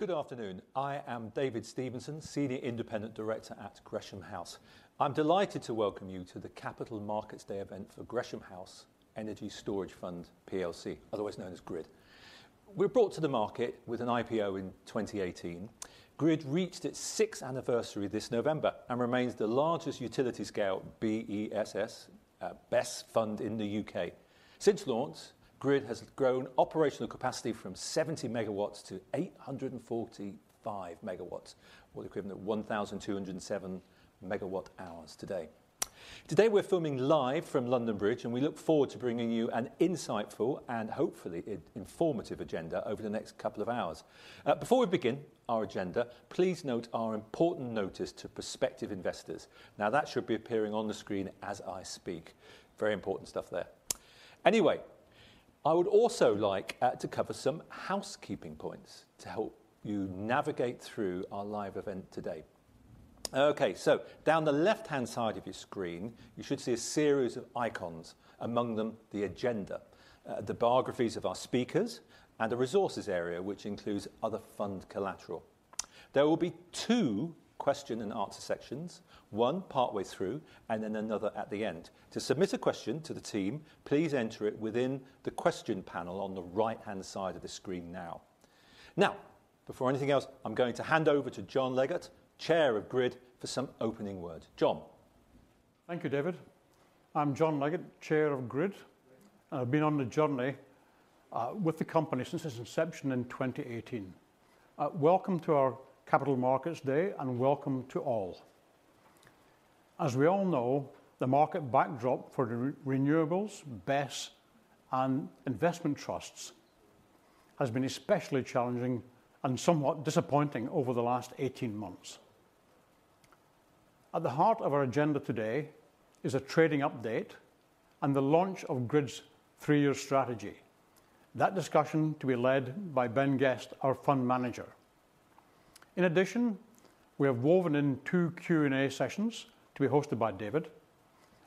Good afternoon. I am David Stevenson, Senior Independent Director at Gresham House. I'm delighted to welcome you to the Capital Markets Day event for Gresham House Energy Storage Fund, PLC, otherwise known as Grid. We're brought to the market with an IPO in 2018. Grid reached its sixth anniversary this November and remains the largest utility-scale BESS, BESS fund in the U.K. Since launch, Grid has grown operational capacity from 70 megawatts to 845 megawatts, or the equivalent of 1,207 megawatt hours today. Today we're filming live from London Bridge, and we look forward to bringing you an insightful and hopefully informative agenda over the next couple of hours. Before we begin our agenda, please note our important notice to prospective investors. Now, that should be appearing on the screen as I speak. Very important stuff there. Anyway, I would also like to cover some housekeeping points to help you navigate through our live event today. Okay, so down the left-hand side of your screen, you should see a series of icons, among them the agenda, the biographies of our speakers, and the resources area, which includes other fund collateral. There will be two question and answer sections, one partway through and then another at the end. To submit a question to the team, please enter it within the question panel on the right-hand side of the screen now. Now, before anything else, I'm going to hand over to John Leggate, Chair of Grid, for some opening words. John. Thank you, David. I'm John Leggate, Chair of Grid. I've been on the journey, with the company since its inception in 2018. Welcome to our Capital Markets Day, and welcome to all. As we all know, the market backdrop for the renewables, BESS, and investment trusts has been especially challenging and somewhat disappointing over the last 18 months. At the heart of our agenda today is a trading update and the launch of Grid's three-year strategy. That discussion is to be led by Ben Guest, our fund manager. In addition, we have woven in two Q&A sessions to be hosted by David,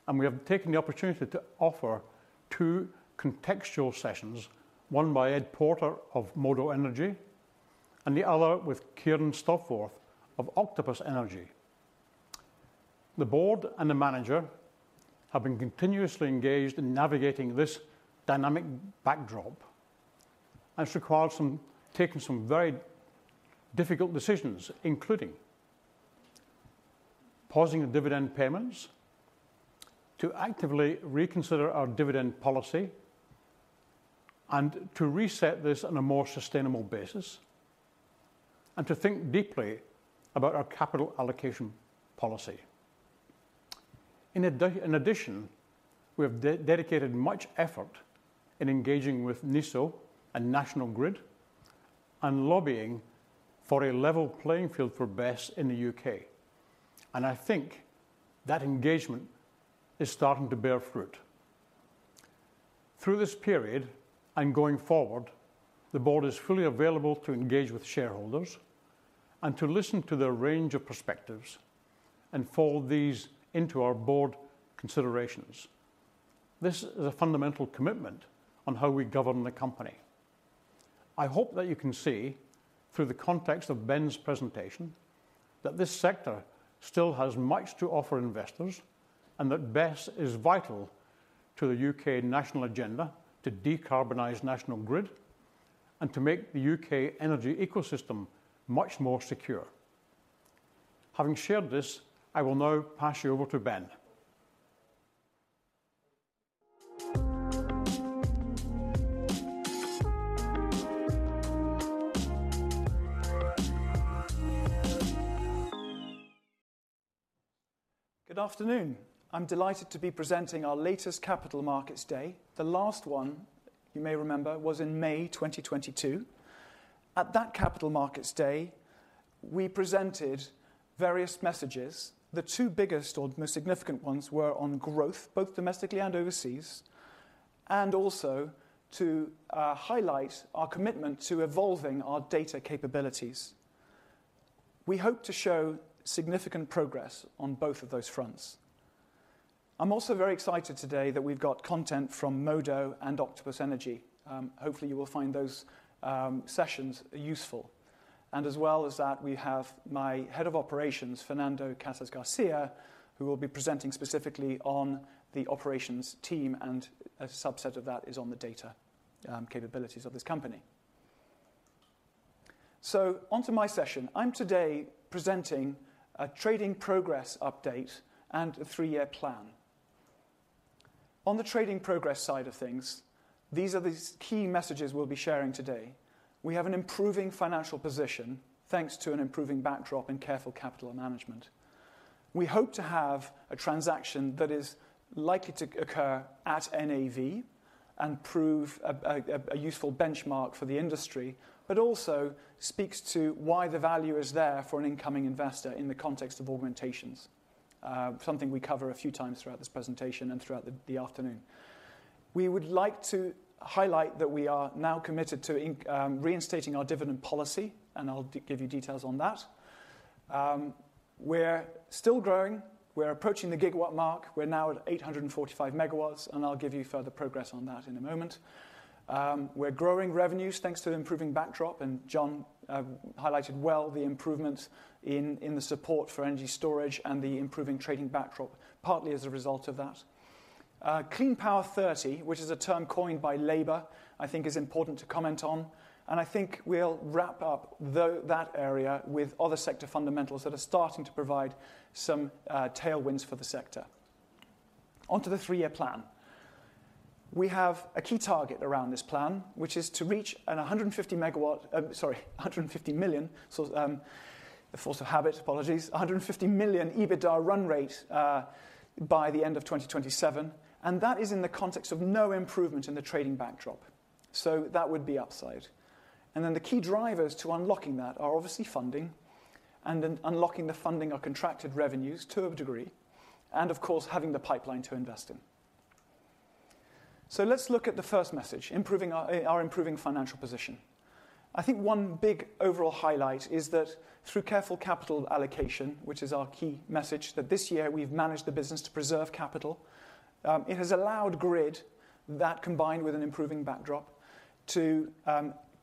and we have taken the opportunity to offer two contextual sessions, one by Ed Porter of Modo Energy and the other with Kieron Stopforth of Octopus Energy. The board and the manager have been continuously engaged in navigating this dynamic backdrop, and it's required taking some very difficult decisions, including pausing the dividend payments, to actively reconsider our dividend policy, and to reset this on a more sustainable basis, and to think deeply about our capital allocation policy. In addition, we have dedicated much effort in engaging with NESO and National Grid and lobbying for a level playing field for BESS in the UK. I think that engagement is starting to bear fruit. Through this period and going forward, the board is fully available to engage with shareholders and to listen to their range of perspectives and fold these into our board considerations. This is a fundamental commitment on how we govern the company. I hope that you can see, through the context of Ben's presentation, that this sector still has much to offer investors and that BESS is vital to the U.K. national agenda to decarbonize National Grid and to make the U.K. energy ecosystem much more secure. Having shared this, I will now pass you over to Ben. Good afternoon. I'm delighted to be presenting our latest Capital Markets Day. The last one, you may remember, was in May 2022. At that Capital Markets Day, we presented various messages. The two biggest or most significant ones were on growth, both domestically and overseas, and also to highlight our commitment to evolving our data capabilities. We hope to show significant progress on both of those fronts. I'm also very excited today that we've got content from Modo and Octopus Energy. Hopefully you will find those sessions useful. And as well as that, we have my head of operations, Fernando Casas Garcia, who will be presenting specifically on the operations team, and a subset of that is on the data capabilities of this company. So onto my session. I'm today presenting a trading progress update and a three-year plan. On the trading progress side of things, these are the key messages we'll be sharing today. We have an improving financial position thanks to an improving backdrop and careful capital management. We hope to have a transaction that is likely to occur at NAV and prove a useful benchmark for the industry, but also speaks to why the value is there for an incoming investor in the context of augmentations, something we cover a few times throughout this presentation and throughout the afternoon. We would like to highlight that we are now committed to reinstating our dividend policy, and I'll give you details on that. We're still growing. We're approaching the gigawatt mark. We're now at 845 megawatts, and I'll give you further progress on that in a moment. We're growing revenues thanks to the improving backdrop, and John highlighted well the improvement in the support for energy storage and the improving trading backdrop, partly as a result of that. Clean Power 2030, which is a term coined by Labour, I think is important to comment on, and I think we'll wrap up that area with other sector fundamentals that are starting to provide some tailwinds for the sector. Onto the three-year plan. We have a key target around this plan, which is to reach a 150 megawatt, sorry, 150 million. So, the force of habit, apologies. 150 million EBITDA run rate, by the end of 2027. And that is in the context of no improvement in the trading backdrop. So that would be upside. And then the key drivers to unlocking that are obviously funding, and then unlocking the funding of contracted revenues to a degree, and of course, having the pipeline to invest in. So let's look at the first message, improving our improving financial position. I think one big overall highlight is that through careful capital allocation, which is our key message, that this year we've managed the business to preserve capital. It has allowed Grid, that combined with an improving backdrop, to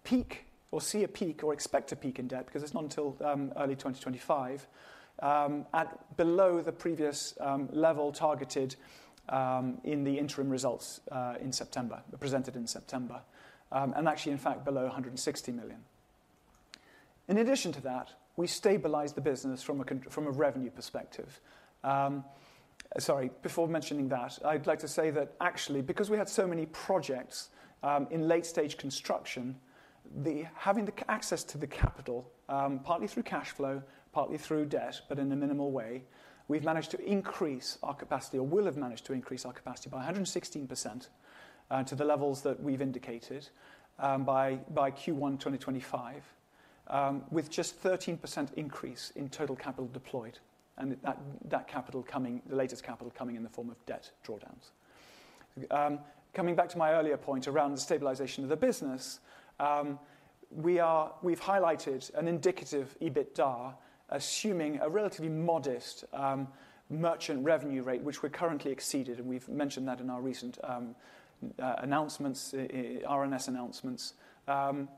peak or see a peak or expect a peak in debt, because it's not until early 2025, at below the previous level targeted in the interim results, in September, presented in September, and actually, in fact, below 160 million. In addition to that, we stabilized the business from a revenue perspective. Sorry, before mentioning that, I'd like to say that actually, because we had so many projects in late-stage construction, the having access to the capital, partly through cash flow, partly through debt, but in a minimal way, we've managed to increase our capacity or will have managed to increase our capacity by 116% to the levels that we've indicated by Q1 2025, with just 13% increase in total capital deployed, and that capital coming, the latest capital coming in the form of debt drawdowns. Coming back to my earlier point around the stabilization of the business, we've highlighted an indicative EBITDA, assuming a relatively modest merchant revenue rate, which we're currently exceeded, and we've mentioned that in our recent announcements, RNS announcements.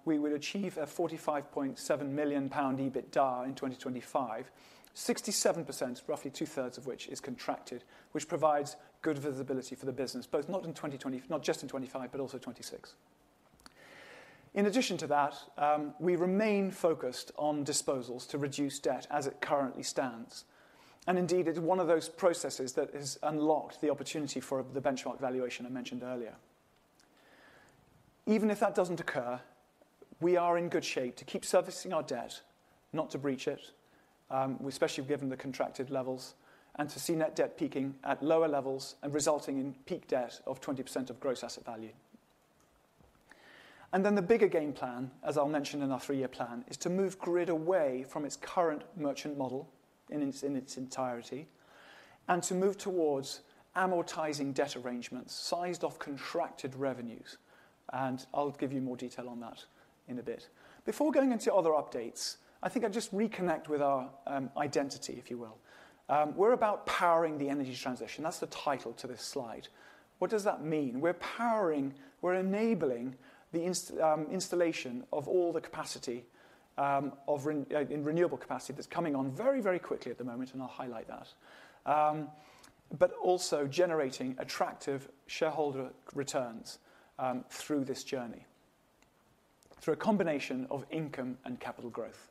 We would achieve a 45.7 million pound EBITDA in 2025, 67%, roughly two-thirds of which is contracted, which provides good visibility for the business, both not in 2020, not just in 2025, but also 2026. In addition to that, we remain focused on disposals to reduce debt as it currently stands, and indeed, it's one of those processes that has unlocked the opportunity for the benchmark valuation I mentioned earlier. Even if that doesn't occur, we are in good shape to keep servicing our debt, not to breach it, especially given the contracted levels, and to see net debt peaking at lower levels and resulting in peak debt of 20% of gross asset value. And then the bigger game plan, as I'll mention in our three-year plan, is to move Grid away from its current merchant model in its entirety and to move towards amortizing debt arrangements sized off contracted revenues. And I'll give you more detail on that in a bit. Before going into other updates, I think I just reconnect with our identity, if you will. We're powering the energy transition. That's the title to this slide. What does that mean? We're powering, we're enabling the installation of all the capacity of renewable capacity that's coming on very, very quickly at the moment, and I'll highlight that, but also generating attractive shareholder returns through this journey through a combination of income and capital growth.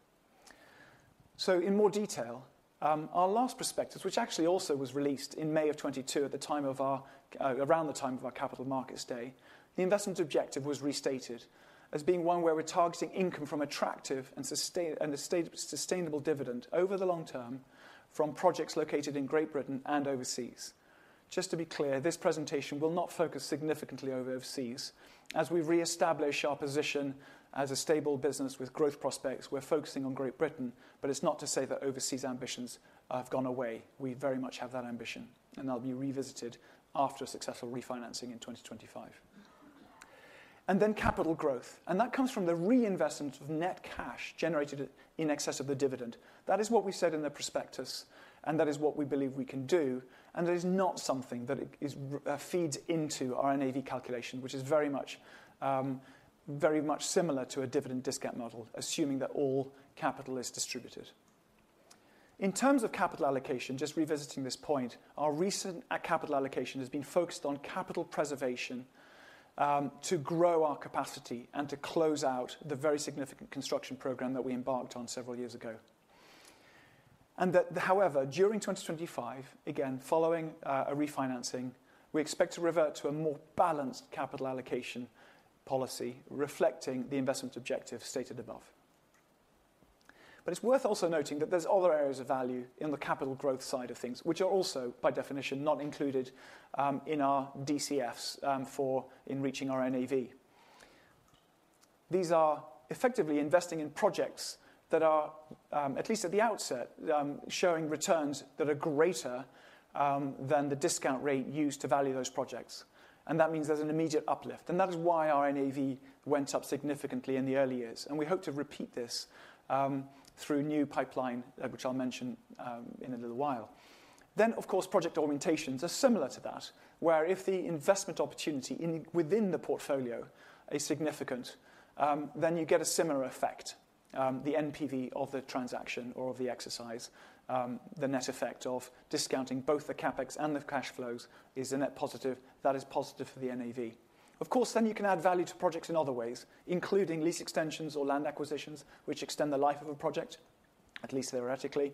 In more detail, our last prospectus, which actually also was released in May of 2022 around the time of our Capital Markets Day, the investment objective was restated as being one where we're targeting income from attractive and sustainable and a stable dividend over the long term from projects located in Great Britain and overseas. Just to be clear, this presentation will not focus significantly over overseas. As we reestablish our position as a stable business with growth prospects, we're focusing on Great Britain, but it's not to say that overseas ambitions have gone away. We very much have that ambition, and they'll be revisited after successful refinancing in 2025. Capital growth comes from the reinvestment of net cash generated in excess of the dividend. That is what we said in the prospectus, and that is what we believe we can do, and that is not something that it is feeds into our NAV calculation, which is very much, very much similar to a dividend discount model, assuming that all capital is distributed. In terms of capital allocation, just revisiting this point, our recent capital allocation has been focused on capital preservation, to grow our capacity and to close out the very significant construction program that we embarked on several years ago, and that, however, during 2025, again, following a refinancing, we expect to revert to a more balanced capital allocation policy reflecting the investment objective stated above, but it's worth also noting that there's other areas of value in the capital growth side of things, which are also, by definition, not included in our DCFs for in reaching our NAV. These are effectively investing in projects that are, at least at the outset, showing returns that are greater than the discount rate used to value those projects, and that means there's an immediate uplift, and that is why our NAV went up significantly in the early years, and we hope to repeat this through new pipeline, which I'll mention in a little while. Then, of course, project augmentations are similar to that, where if the investment opportunity is within the portfolio is significant, then you get a similar effect; the NPV of the transaction or of the exercise, the net effect of discounting both the CapEx and the cash flows is a net positive that is positive for the NAV. Of course, then you can add value to projects in other ways, including lease extensions or land acquisitions, which extend the life of a project, at least theoretically.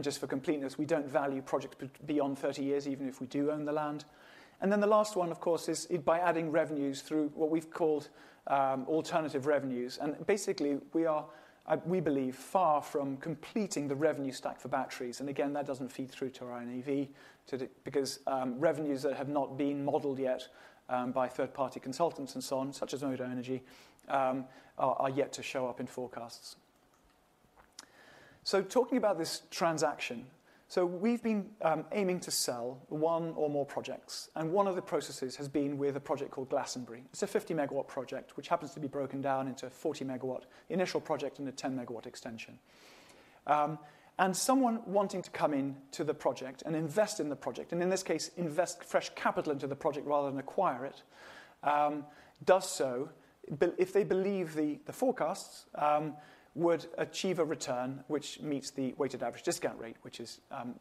Just for completeness, we don't value projects beyond 30 years, even if we do own the land. And then the last one, of course, is by adding revenues through what we've called alternative revenues. And basically, we are, we believe, far from completing the revenue stack for batteries. And again, that doesn't feed through to our NAV too because revenues that have not been modeled yet, by third-party consultants and so on, such as Modo Energy, are yet to show up in forecasts. So talking about this transaction, we've been aiming to sell one or more projects. And one of the processes has been with a project called Glastonbury. It's a 50-megawatt project, which happens to be broken down into a 40-megawatt initial project and a 10-megawatt extension. And someone wanting to come into the project and invest in the project, and in this case, invest fresh capital into the project rather than acquire it, does so, but if they believe the forecasts would achieve a return which meets the weighted average discount rate, which is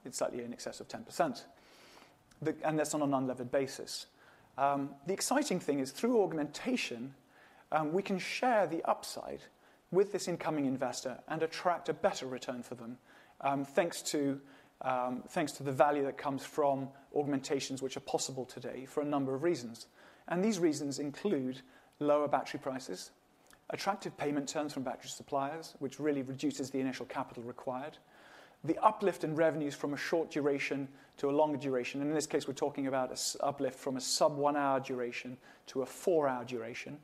slightly in excess of 10%. That's on an unlevered basis. The exciting thing is through augmentation, we can share the upside with this incoming investor and attract a better return for them, thanks to the value that comes from augmentations, which are possible today for a number of reasons. These reasons include lower battery prices, attractive payment terms from battery suppliers, which really reduces the initial capital required, the uplift in revenues from a short duration to a longer duration. In this case, we're talking about an uplift from a sub-one-hour duration to a four-hour duration.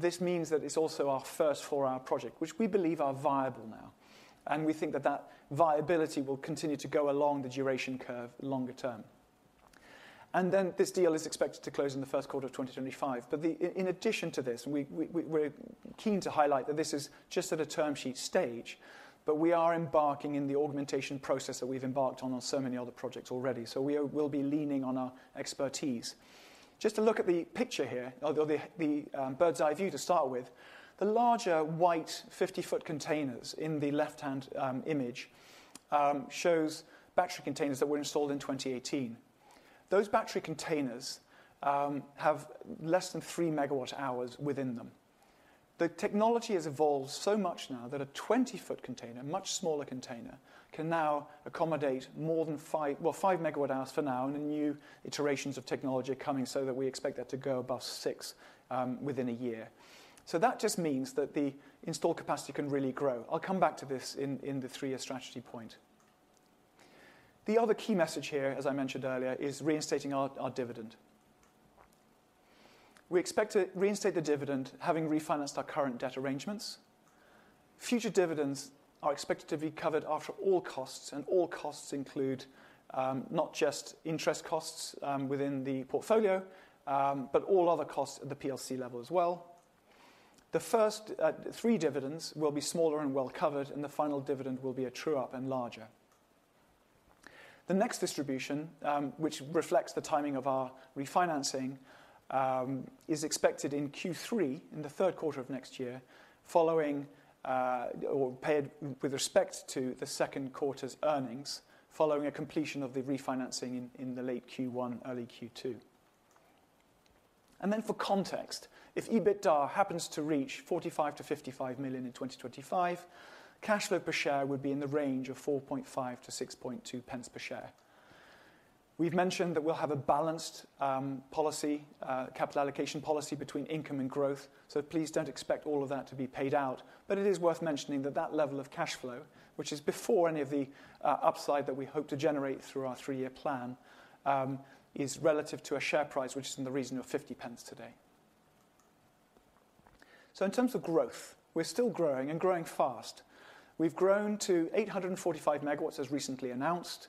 This means that it's also our first four-hour project, which we believe are viable now. We think that viability will continue to go along the duration curve longer term. Then this deal is expected to close in the first quarter of 2025. But in addition to this, we're keen to highlight that this is just at a term sheet stage, but we are embarking in the augmentation process that we've embarked on so many other projects already. So we will be leaning on our expertise. Just to look at the picture here, or the bird's eye view to start with, the larger white 50-foot containers in the left-hand image shows battery containers that were installed in 2018. Those battery containers have less than three megawatt hours within them. The technology has evolved so much now that a 20-foot container, a much smaller container, can now accommodate more than five, well, five megawatt hours for now, and the new iterations of technology are coming so that we expect that to go above six within a year, so that just means that the installed capacity can really grow. I'll come back to this in the three-year strategy point. The other key message here, as I mentioned earlier, is reinstating our dividend. We expect to reinstate the dividend having refinanced our current debt arrangements. Future dividends are expected to be covered after all costs, and all costs include, not just interest costs, within the portfolio, but all other costs at the PLC level as well. The first three dividends will be smaller and well covered, and the final dividend will be a true-up and larger. The next distribution, which reflects the timing of our refinancing, is expected in Q3 in the third quarter of next year, following, or paid with respect to the second quarter's earnings following a completion of the refinancing in the late Q1, early Q2. And then for context, if EBITDA happens to reach 45 million-55 million in 2025, cash flow per share would be in the range of 4.5-6.2 pence per share. We've mentioned that we'll have a balanced capital allocation policy between income and growth. So please don't expect all of that to be paid out. But it is worth mentioning that that level of cash flow, which is before any of the upside that we hope to generate through our three-year plan, is relative to a share price, which is in the region of 0.50 today. So in terms of growth, we're still growing and growing fast. We've grown to 845 megawatts as recently announced,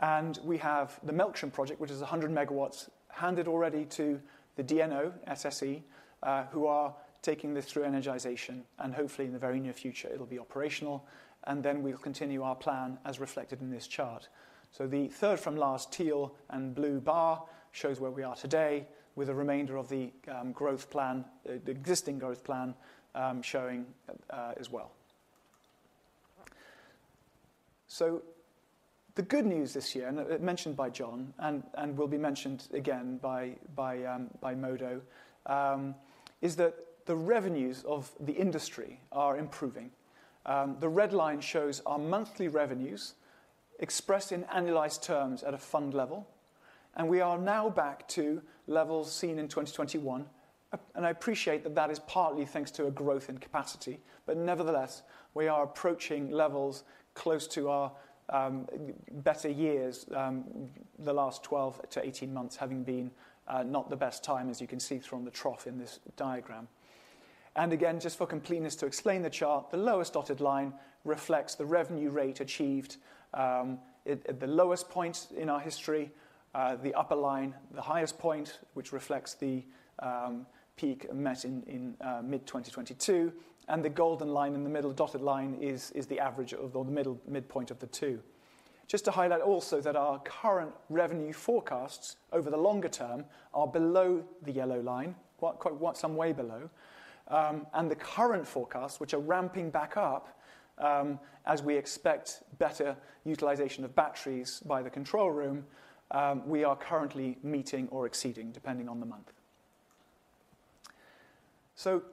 and we have the Melksham project, which is 100 megawatts, handed already to the DNO, SSE, who are taking this through energization, and hopefully in the very near future, it'll be operational. And then we'll continue our plan as reflected in this chart. So the third from last teal and blue bar shows where we are today with the remainder of the growth plan, the existing growth plan, showing as well. The good news this year, and it mentioned by John, and will be mentioned again by Modo, is that the revenues of the industry are improving. The red line shows our monthly revenues expressed in annualized terms at a fund level, and we are now back to levels seen in 2021. I appreciate that that is partly thanks to a growth in capacity, but nevertheless, we are approaching levels close to our better years, the last 12 to 18 months having been not the best time, as you can see from the trough in this diagram. Again, just for completeness to explain the chart, the lowest dotted line reflects the revenue rate achieved at the lowest point in our history. The upper line, the highest point, which reflects the peak met in mid-2022, and the golden line in the middle dotted line is the average of the midpoint of the two. Just to highlight also that our current revenue forecasts over the longer term are below the yellow line, quite some way below, and the current forecasts, which are ramping back up as we expect better utilization of batteries by the control room, we are currently meeting or exceeding depending on the month.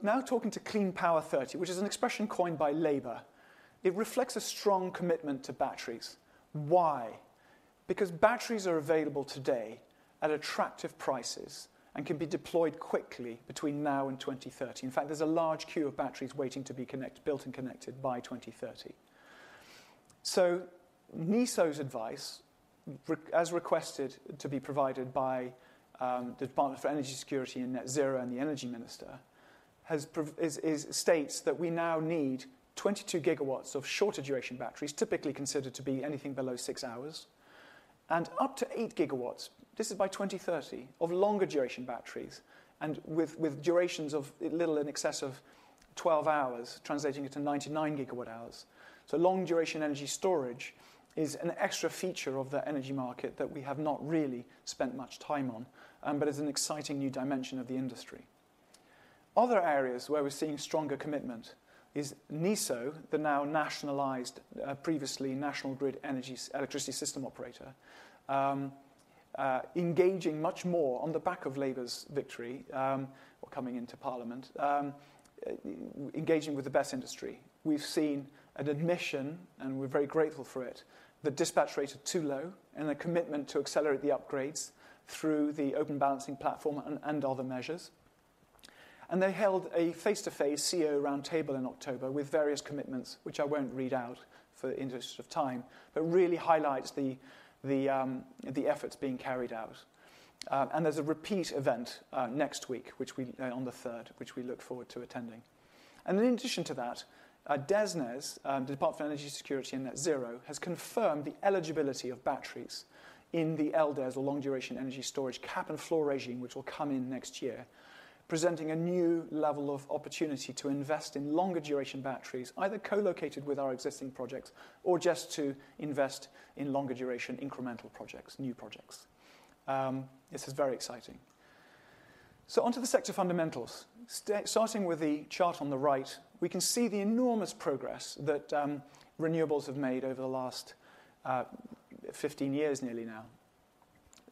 Now talking to Clean Power 2030, which is an expression coined by Labour, it reflects a strong commitment to batteries. Why? Because batteries are available today at attractive prices and can be deployed quickly between now and 2030. In fact, there's a large queue of batteries waiting to be built and connected by 2030. NESO's advice, as requested to be provided by the Department for Energy Security and Net Zero and the Energy Minister, states that we now need 22 gigawatts of shorter duration batteries, typically considered to be anything below six hours, and up to eight gigawatts. This is by 2030 of longer duration batteries and with durations of little in excess of 12 hours, translating it to 99 gigawatt hours. Long-duration energy storage is an extra feature of the energy market that we have not really spent much time on, but it's an exciting new dimension of the industry. Other areas where we're seeing stronger commitment is NESO, the now nationalized, previously National Grid Electricity System Operator, engaging much more on the back of Labour's victory, or coming into Parliament, engaging with the BESS industry. We've seen an admission, and we're very grateful for it, the dispatch rate is too low and a commitment to accelerate the upgrades through the Open Balancing Platform and other measures. They held a face-to-face CEO roundtable in October with various commitments, which I won't read out in the interest of time, but really highlights the efforts being carried out. There's a repeat event next week, which we, on the 3rd, which we look forward to attending. In addition to that, DESNZ, the Department for Energy Security and Net Zero, has confirmed the eligibility of batteries in the LDES, or Long-Duration Energy Storage Cap and Floor regime, which will come in next year, presenting a new level of opportunity to invest in longer duration batteries, either co-located with our existing projects or just to invest in longer duration incremental projects, new projects. This is very exciting. Onto the sector fundamentals. Starting with the chart on the right, we can see the enormous progress that renewables have made over the last 15 years nearly now.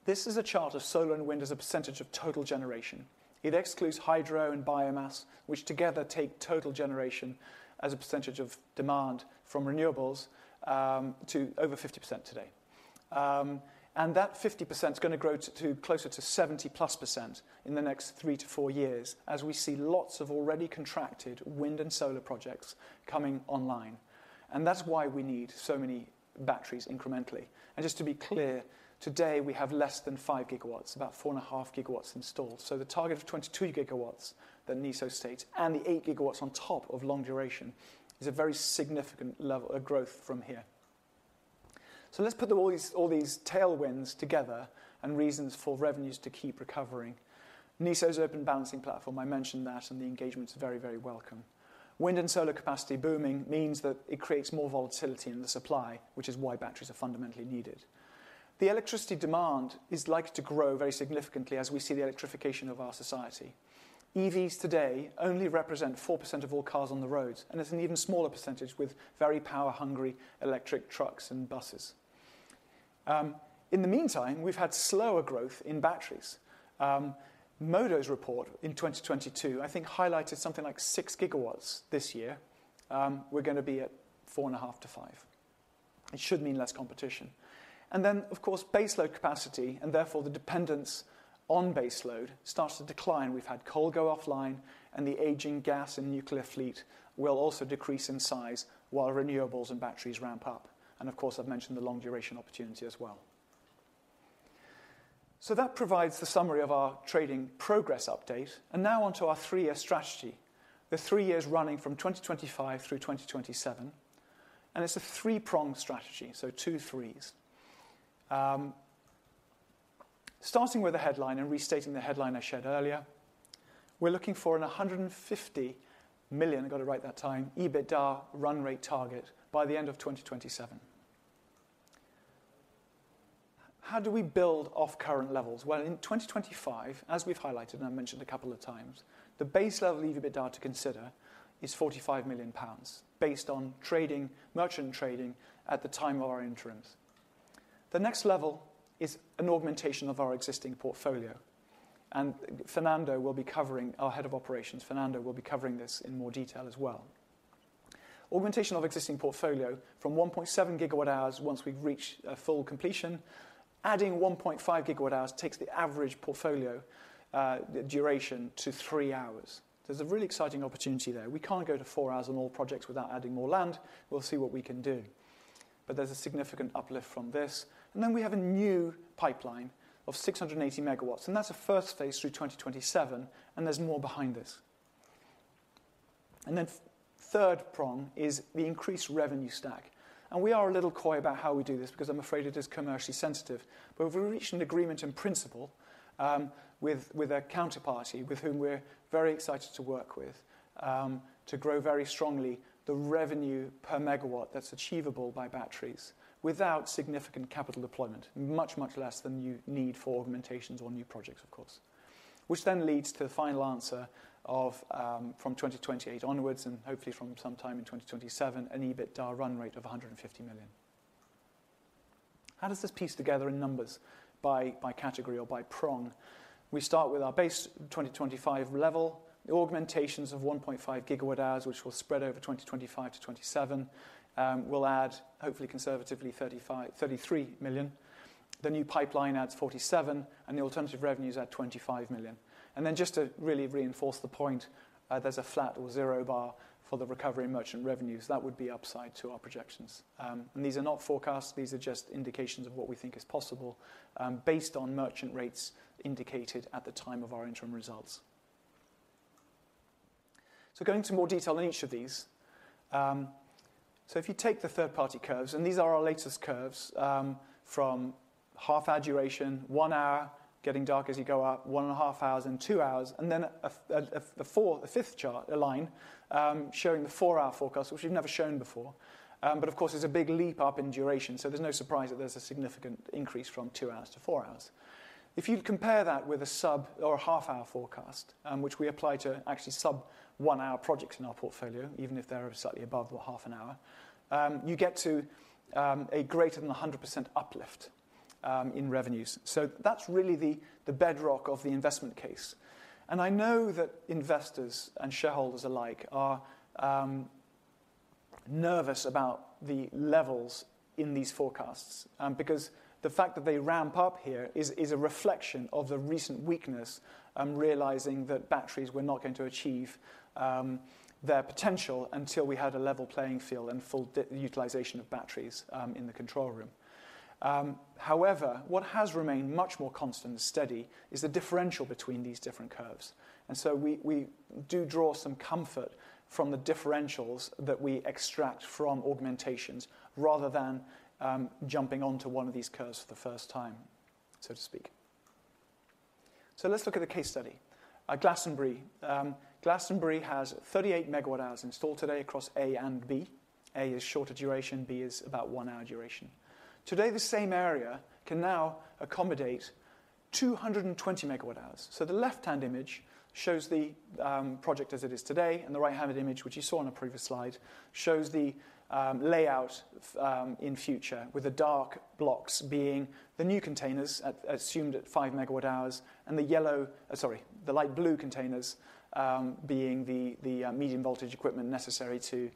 This is a chart of solar and wind as a percentage of total generation. It excludes hydro and biomass, which together take total generation as a percentage of demand from renewables to over 50% today. And that 50% is going to grow to closer to 70-plus% in the next three to four years as we see lots of already contracted wind and solar projects coming online. That's why we need so many batteries incrementally. Just to be clear, today we have less than five gigawatts, about four and a half gigawatts installed. The target of 22 gigawatts that NESO states and the eight gigawatts on top of long duration is a very significant level of growth from here. Let's put all these tailwinds together and reasons for revenues to keep recovering. NESO's Open Balancing Platform, I mentioned that, and the engagement is very, very welcome. Wind and solar capacity booming means that it creates more volatility in the supply, which is why batteries are fundamentally needed. The electricity demand is likely to grow very significantly as we see the electrification of our society. EVs today only represent 4% of all cars on the roads, and it's an even smaller percentage with very power-hungry electric trucks and buses. In the meantime, we've had slower growth in batteries. Modo's report in 2022, I think, highlighted something like six gigawatts this year. We're going to be at 4.5-5. It should mean less competition, and then, of course, base load capacity and therefore the dependence on base load starts to decline. We've had coal go offline, and the aging gas and nuclear fleet will also decrease in size while renewables and batteries ramp up, and of course, I've mentioned the long-duration opportunity as well, so that provides the summary of our trading progress update. Now onto our three-year strategy, the three years running from 2025 through 2027. It's a three-pronged strategy, so two threes. Starting with the headline and restating the headline I shared earlier, we're looking for a 150 million EBITDA run rate target by the end of 2027. How do we build off current levels? Well, in 2025, as we've highlighted and I've mentioned a couple of times, the base level EBITDA to consider is 45 million pounds based on trading, merchant trading at the time of our interims. The next level is an augmentation of our existing portfolio. And Fernando will be covering, our head of operations, Fernando will be covering this in more detail as well. Augmentation of existing portfolio from 1.7 gigawatt hours once we've reached a full completion, adding 1.5 gigawatt hours takes the average portfolio duration to three hours. There's a really exciting opportunity there. We can't go to four hours on all projects without adding more land. We'll see what we can do, but there's a significant uplift from this, and then we have a new pipeline of 680 megawatts, and that's a first phase through 2027, and there's more behind this, and then third prong is the increased revenue stack, and we are a little coy about how we do this because I'm afraid it is commercially sensitive. But we've reached an agreement in principle with a counterparty with whom we're very excited to work with, to grow very strongly the revenue per megawatt that's achievable by batteries without significant capital deployment, much, much less than you need for augmentations or new projects, of course, which then leads to the final answer of from 2028 onwards and hopefully from sometime in 2027 an EBITDA run rate of 150 million. How does this piece together in numbers by category or by prong? We start with our base 2025 level, the augmentations of 1.5 gigawatt hours, which will spread over 2025 to 2027. We'll add hopefully conservatively 33-35 million. The new pipeline adds 47 million, and the alternative revenues add 25 million. And then just to really reinforce the point, there's a flat or zero bar for the recovery merchant revenues. That would be upside to our projections. These are not forecasts. These are just indications of what we think is possible, based on merchant rates indicated at the time of our interim results. So going into more detail on each of these, so if you take the third-party curves, and these are our latest curves, from half-hour duration, one hour, getting dark as you go up, one and a half hours, and two hours, and then the fourth, the fifth chart, a line, showing the four-hour forecast, which we've never shown before. But of course, there's a big leap up in duration, so there's no surprise that there's a significant increase from two hours to four hours. If you compare that with a sub or a half-hour forecast, which we apply to actually sub one-hour projects in our portfolio, even if they're slightly above a half an hour, you get to a greater than 100% uplift in revenues. So that's really the bedrock of the investment case. And I know that investors and shareholders alike are nervous about the levels in these forecasts, because the fact that they ramp up here is a reflection of the recent weakness, realizing that batteries were not going to achieve their potential until we had a level playing field and full utilization of batteries in the control room. However, what has remained much more constant and steady is the differential between these different curves. We do draw some comfort from the differentials that we extract from augmentations rather than jumping onto one of these curves for the first time, so to speak. Let's look at the case study. Glastonbury has 38 megawatt hours installed today across A and B. A is shorter duration. B is about one-hour duration. Today, the same area can now accommodate 220 megawatt hours. The left-hand image shows the project as it is today, and the right-hand image, which you saw on a previous slide, shows the layout in future with the dark blocks being the new containers assumed at five megawatt hours and the yellow, sorry, the light blue containers being the medium voltage equipment necessary to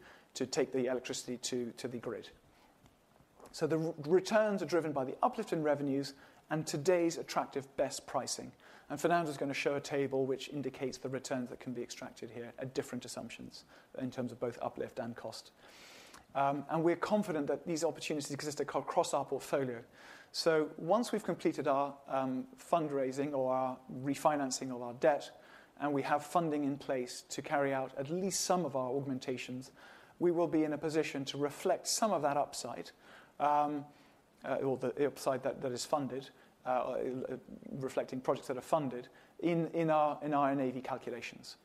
take the electricity to the Grid. The returns are driven by the uplift in revenues and today's attractive BESS pricing. Fernando's going to show a table which indicates the returns that can be extracted here at different assumptions in terms of both uplift and cost. We're confident that these opportunities exist across our portfolio. Once we've completed our fundraising or our refinancing of our debt and we have funding in place to carry out at least some of our augmentations, we will be in a position to reflect some of that upside, or the upside that is funded, reflecting projects that are funded in our NAV calculations.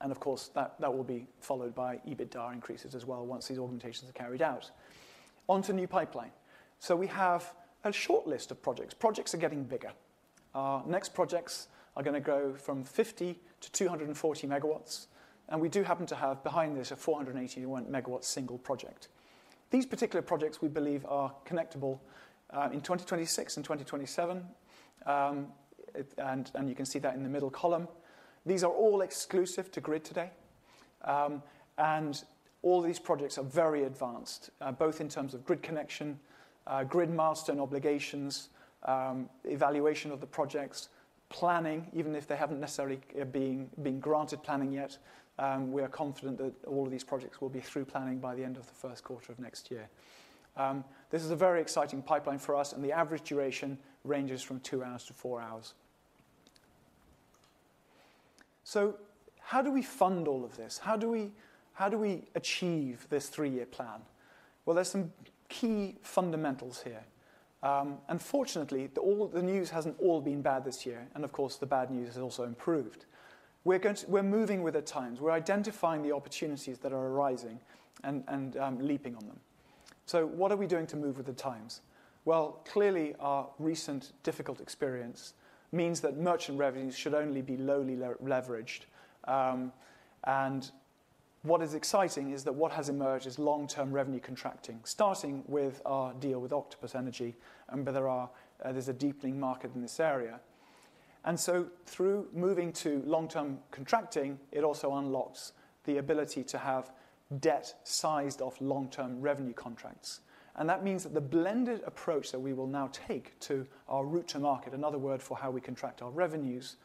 Of course, that will be followed by EBITDA increases as well once these augmentations are carried out. Onto new pipeline. We have a short list of projects. Projects are getting bigger. Our next projects are going to grow from 50 to 240 megawatts. And we do happen to have behind this a 481-megawatt single project. These particular projects we believe are connectable in 2026 and 2027, and you can see that in the middle column. These are all exclusive to Grid today, and all these projects are very advanced, both in terms of Grid connection, Grid milestone obligations, evaluation of the projects, planning, even if they haven't necessarily been granted planning yet. We are confident that all of these projects will be through planning by the end of the first quarter of next year. This is a very exciting pipeline for us, and the average duration ranges from two hours to four hours. So how do we fund all of this? How do we achieve this three-year plan? Well, there are some key fundamentals here. Unfortunately, all the news hasn't all been bad this year. Of course, the bad news has also improved. We're going to, we're moving with the times. We're identifying the opportunities that are arising and leaping on them. What are we doing to move with the times? Clearly, our recent difficult experience means that merchant revenues should only be lowly leveraged. What is exciting is that what has emerged is long-term revenue contracting, starting with our deal with Octopus Energy. There's a deepening market in this area. Through moving to long-term contracting, it also unlocks the ability to have debt sized off long-term revenue contracts. And that means that the blended approach that we will now take to our route to market, another word for how we contract our revenues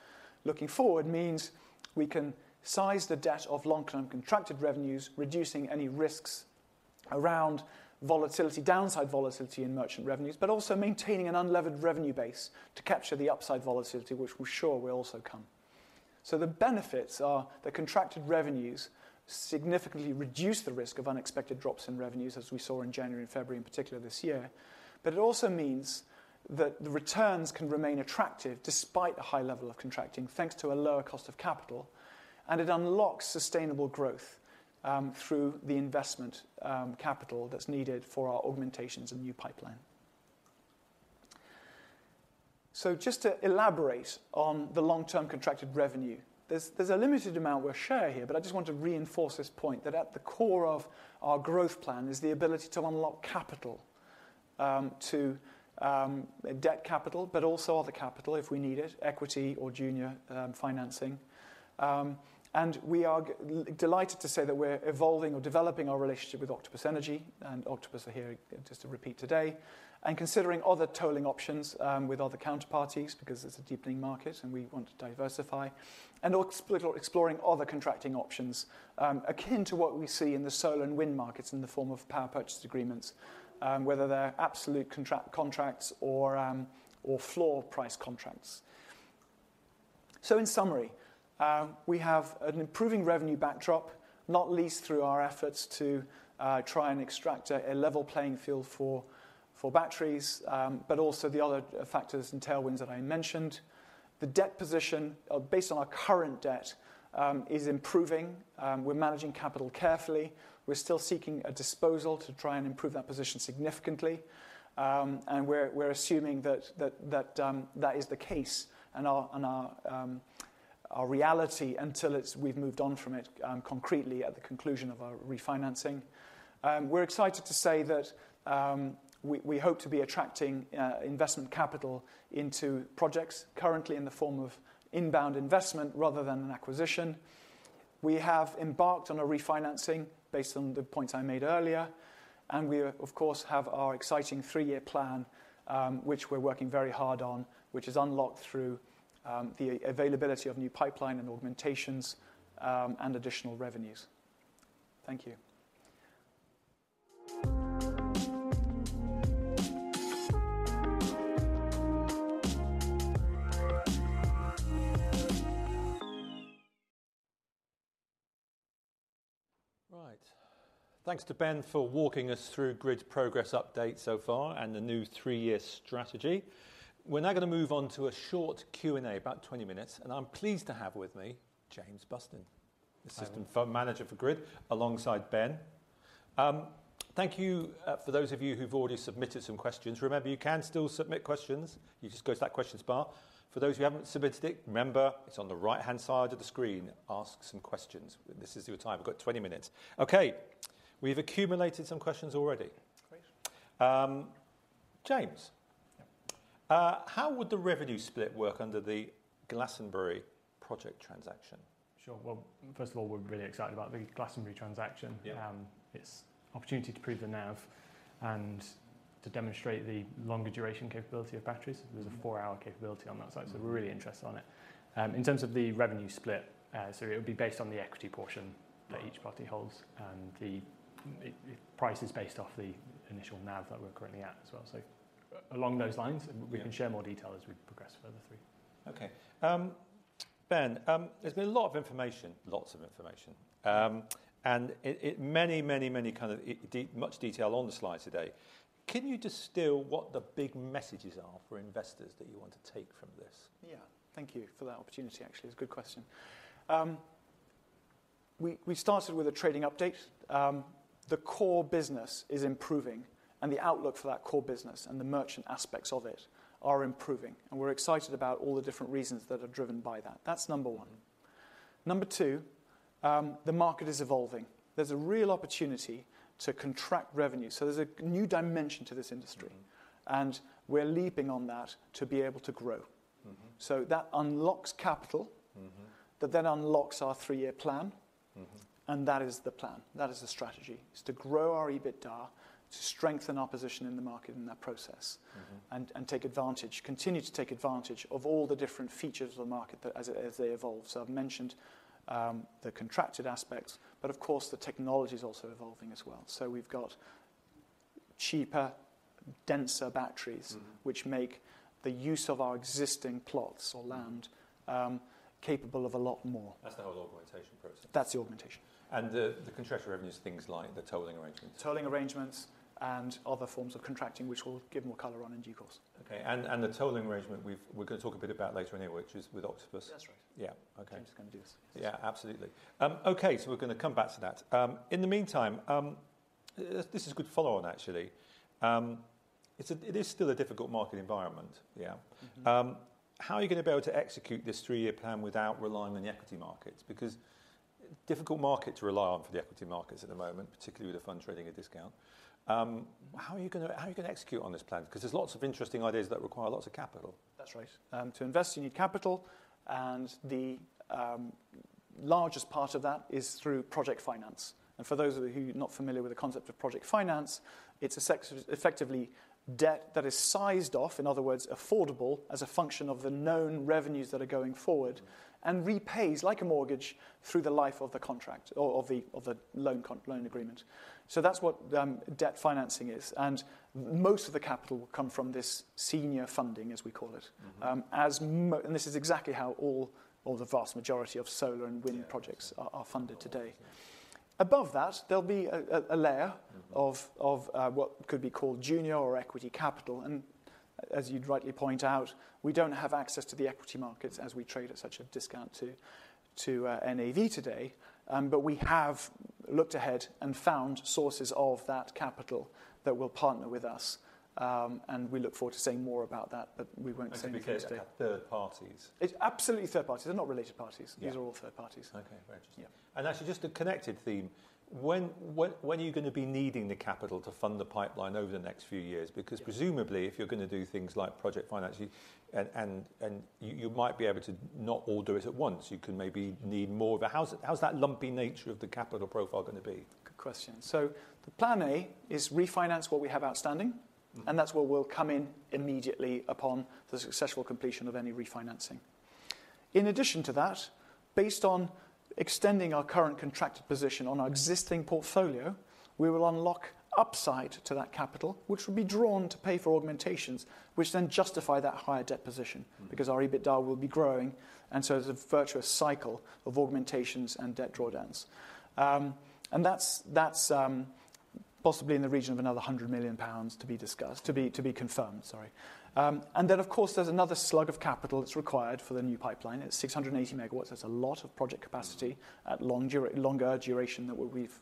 looking forward, means we can size the debt of long-term contracted revenues, reducing any risks around volatility, downside volatility in merchant revenues, but also maintaining an unlevered revenue base to capture the upside volatility, which we're sure will also come. So the benefits are the contracted revenues significantly reduce the risk of unexpected drops in revenues, as we saw in January and February, in particular this year. But it also means that the returns can remain attractive despite the high level of contracting, thanks to a lower cost of capital. And it unlocks sustainable growth, through the investment, capital that's needed for our augmentations and new pipeline. So just to elaborate on the long-term contracted revenue, there's a limited amount we're sharing here, but I just want to reinforce this point that at the core of our growth plan is the ability to unlock capital, to debt capital, but also other capital if we need it, equity or junior financing. And we are delighted to say that we're evolving or developing our relationship with Octopus Energy and Octopus are here just to repeat today and considering other tolling options with other counterparties because it's a deepening market and we want to diversify and exploring other contracting options, akin to what we see in the solar and wind markets in the form of power purchase agreements, whether they're absolute contracts or floor price contracts. So in summary, we have an improving revenue backdrop, not least through our efforts to try and extract a level playing field for batteries, but also the other factors and tailwinds that I mentioned. The debt position, based on our current debt, is improving. We're managing capital carefully. We're still seeking a disposal to try and improve that position significantly and we're assuming that is the case and our reality until we've moved on from it, concretely at the conclusion of our refinancing. We're excited to say that we hope to be attracting investment capital into projects currently in the form of inbound investment rather than an acquisition. We have embarked on a refinancing based on the points I made earlier. We, of course, have our exciting three-year plan, which we're working very hard on, which is unlocked through the availability of new pipeline and augmentations, and additional revenues. Thank you. Right. Thanks to Ben for walking us through Grid's progress update so far and the new three-year strategy. We're now going to move on to a short Q&A, about 20 minutes. And I'm pleased to have with me for Grid, alongside Ben. Thank you, for those of you who've already submitted some questions. Remember, you can still submit questions. You just go to that questions bar. For those who haven't submitted it, remember, it's on the right-hand side of the screen. Ask some questions. This is your time. We've got 20 minutes. Okay. We've accumulated some questions already. Great. James. Yeah. How would the revenue split work under the Glastonbury project transaction? Sure. First of all, we're really excited about the Glastonbury transaction. Yeah. It's an opportunity to prove the NAV and to demonstrate the longer duration capability of batteries. There's a four-hour capability on that side. We're really interested in it. In terms of the revenue split, so it would be based on the equity portion that each party holds. The price is based off the initial NAV that we're currently at as well. Along those lines, we can share more detail as we progress further through. Okay. Ben, there's been a lot of information, lots of information. And it many kind of deep, much detail on the slides today. Can you distill what the big messages are for investors that you want to take from this? Yeah. Thank you for that opportunity, actually. It's a good question. We started with a trading update. The core business is improving and the outlook for that core business and the merchant aspects of it are improving, and we're excited about all the different reasons that are driven by that. That's number one. Number two, the market is evolving. There's a real opportunity to contract revenue, so there's a new dimension to this industry, and we're leaping on that to be able to grow. So that unlocks capital. That then unlocks our three-year plan. And that is the plan. That is the strategy. It's to grow our EBITDA, to strengthen our position in the market in that process. And take advantage, continue to take advantage of all the different features of the market that as they evolve. So I've mentioned the contracted aspects, but of course, the technology is also evolving as well. So we've got cheaper, denser batteries, which make the use of our existing plots or land, capable of a lot more. That's the whole augmentation process. That's the augmentation. And the contractual revenues, things like the tolling arrangements. Tolling arrangements and other forms of contracting, which we'll give more color on in due course. Okay. And the tolling arrangement we're going to talk a bit about later in here, which is with Octopus. That's right. Yeah. Okay. I'm just going to do this. Yeah. Absolutely. Okay. So we're going to come back to that. In the meantime, this is a good follow-on actually. It is still a difficult market environment. Yeah. How are you going to be able to execute this three-year plan without relying on the equity markets? Because difficult market to rely on for the equity markets at the moment, particularly with the fund trading at discount. How are you going to, how are you going to execute on this plan? Because there's lots of interesting ideas that require lots of capital. That's right. To invest, you need capital. And the largest part of that is through project finance. And for those of you who are not familiar with the concept of project finance, it's a sector effectively debt that is sized off, in other words, affordable as a function of the known revenues that are going forward and repays like a mortgage through the life of the contract or of the loan agreement. So that's what debt financing is. And most of the capital will come from this senior funding, as we call it. As, and this is exactly how all the vast majority of solar and wind projects are funded today. Above that, there'll be a layer of what could be called junior or equity capital. And as you'd rightly point out, we don't have access to the equity markets as we trade at such a discount to NAV today. We have looked ahead and found sources of that capital that will partner with us. We look forward to seeing more about that, but we won't say anything today. That's because they're third parties. It's absolutely third parties. They're not related parties. These are all third parties. Okay. Very interesting. Yeah. And actually just a connected theme. When are you going to be needing the capital to fund the pipeline over the next few years? Because presumably if you're going to do things like project finance, you and you might be able to not all do it at once. You can maybe need more of a house. How's that lumpy nature of the capital profile going to be? Good question, so the plan A is refinance what we have outstanding, and that's where we'll come in immediately upon the successful completion of any refinancing. In addition to that, based on extending our current contracted position on our existing portfolio, we will unlock upside to that capital, which will be drawn to pay for augmentations, which then justify that higher debt position because our EBITDA will be growing, and so there's a virtuous cycle of augmentations and debt drawdowns, and that's possibly in the region of another 100 million pounds to be discussed, to be confirmed. Sorry. And then of course, there's another slug of capital that's required for the new pipeline. It's 680 megawatts. That's a lot of project capacity at longer duration than what we've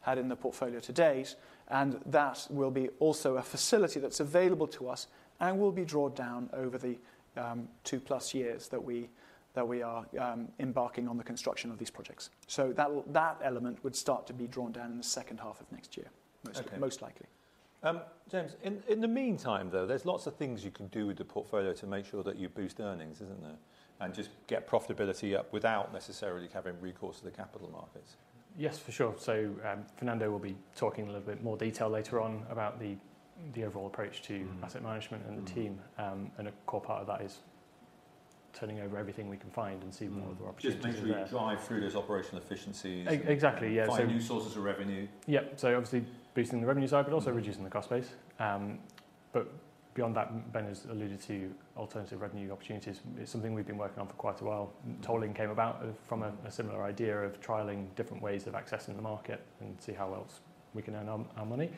had in the portfolio to date. And that will be also a facility that's available to us and will be drawn down over two plus years that we are embarking on the construction of these projects. So that element would start to be drawn down in the second half of next year, most likely. Okay. Most likely. James, in the meantime though, there's lots of things you can do with the portfolio to make sure that you boost earnings, isn't there? And just get profitability up without necessarily having recourse to the capital markets. Yes, for sure. So, Fernando will be talking a little bit more detail later on about the overall approach to asset management and the team. And a core part of that is turning over everything we can find and see what other opportunities. Just make sure you drive through those operational efficiencies. Exactly. Yeah. Find new sources of revenue. Yep. So obviously boosting the revenue side, but also reducing the cost base. But beyond that, Ben has alluded to alternative revenue opportunities. It's something we've been working on for quite a while. Tolling came about from a similar idea of trialing different ways of accessing the market and see how else we can earn our money.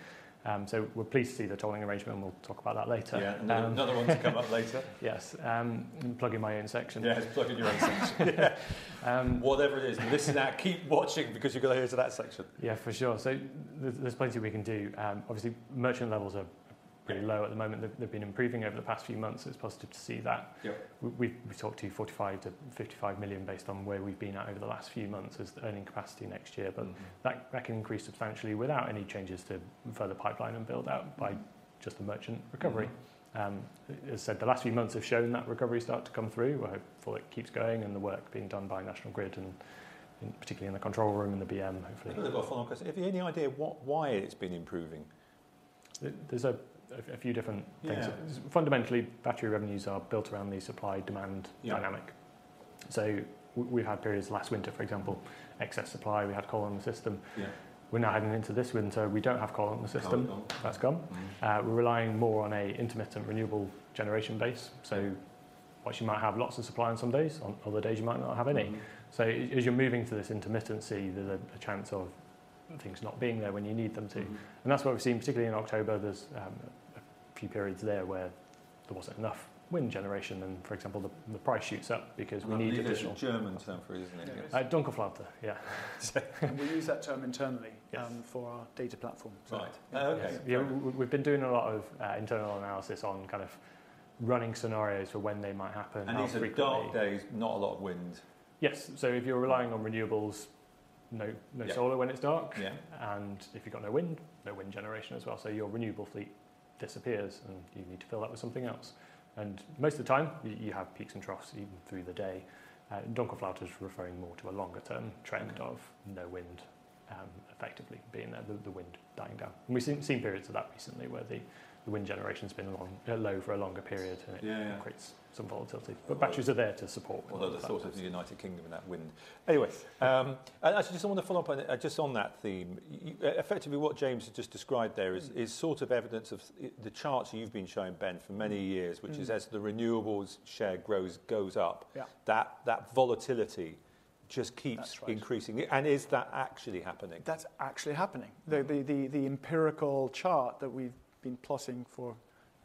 So we're pleased to see the tolling arrangement and we'll talk about that later. Yeah. And another one to come up later. Yes. I'm plugging my own section. Yeah. He's plugging your own section. Yeah. Whatever it is, listen out, keep watching because you're going to hear to that section. Yeah, for sure. So there's plenty we can do. Obviously merchant levels are pretty low at the moment. They've been improving over the past few months. It's positive to see that. Yep. We've talked to 45-55 million based on where we've been at over the last few months as the earning capacity next year. But that can increase substantially without any changes to further pipeline and build out by just the merchant recovery. As I said, the last few months have shown that recovery start to come through. We hope it keeps going and the work being done by National Grid and particularly in the control room and the BM hopefully. I've got a follow-on question. If you have any idea what, why it's been improving. There's a few different things. Fundamentally, battery revenues are built around the supply demand dynamic. So we've had periods last winter, for example, excess supply. We had coal on the system. Yeah. We're now heading into this winter. We don't have coal on the system. That's gone. That's gone. We're relying more on an intermittent renewable generation base. So what you might have lots of supply on some days, on other days you might not have any. So as you're moving to this intermittency, there's a chance of things not being there when you need them to. And that's what we've seen, particularly in October. There's a few periods there where there wasn't enough wind generation. And for example, the price shoots up because we need additional. You used a German term for it, isn't it? Dunkelflaute. Yeah. So we use that term internally. Yes. for our data platform. Right. Okay. Yeah. We've been doing a lot of internal analysis on kind of running scenarios for when they might happen. And also dark days, not a lot of wind. Yes. So if you're relying on renewables, no solar when it's dark. Yeah. And if you've got no wind, no wind generation as well. So your renewable fleet disappears and you need to fill that with something else. And most of the time you have peaks and troughs even through the day. Dunkelflaute is referring more to a longer term trend of no wind, effectively being there, the wind dying down. And we've seen periods of that recently where the wind generation has been all along low for a longer period and it creates some volatility. But batteries are there to support. Although the thought of the United Kingdom in that wind. Anyway, actually just wanted to follow up on it, just on that theme. Effectively what James has just described there is sort of evidence of the charts you've been showing Ben for many years, which is as the renewables share grows, goes up. Yeah. That volatility just keeps increasing. And is that actually happening? That's actually happening. The empirical chart that we've been plotting for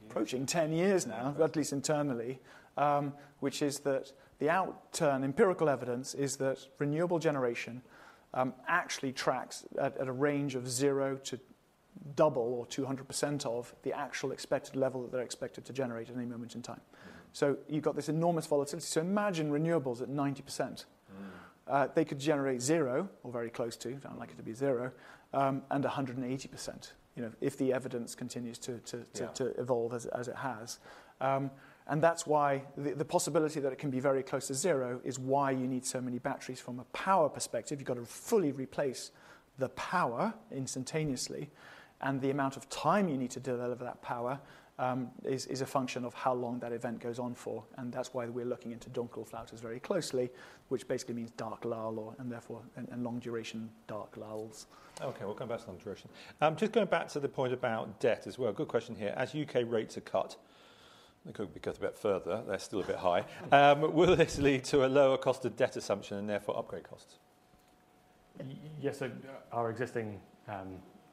approaching 10 years now, at least internally, which is that the outturn empirical evidence is that renewable generation actually tracks at a range of zero to double or 200% of the actual expected level that they're expected to generate at any moment in time. So you've got this enormous volatility. So imagine renewables at 90%. They could generate zero or very close to, if I don't like it to be zero, and 180%, you know, if the evidence continues to evolve as it has, and that's why the possibility that it can be very close to zero is why you need so many batteries from a power perspective. You've got to fully replace the power instantaneously. And the amount of time you need to deliver that power is a function of how long that event goes on for. And that's why we're looking into Dunkelflaute very closely, which basically means dark lull, and long duration dark lulls. Okay. We'll come back to long duration. Just going back to the point about debt as well. Good question here. As U.K. rates are cut, they could be cut a bit further. They're still a bit high. Will this lead to a lower cost of debt assumption and therefore upgrade costs? Yes. Our existing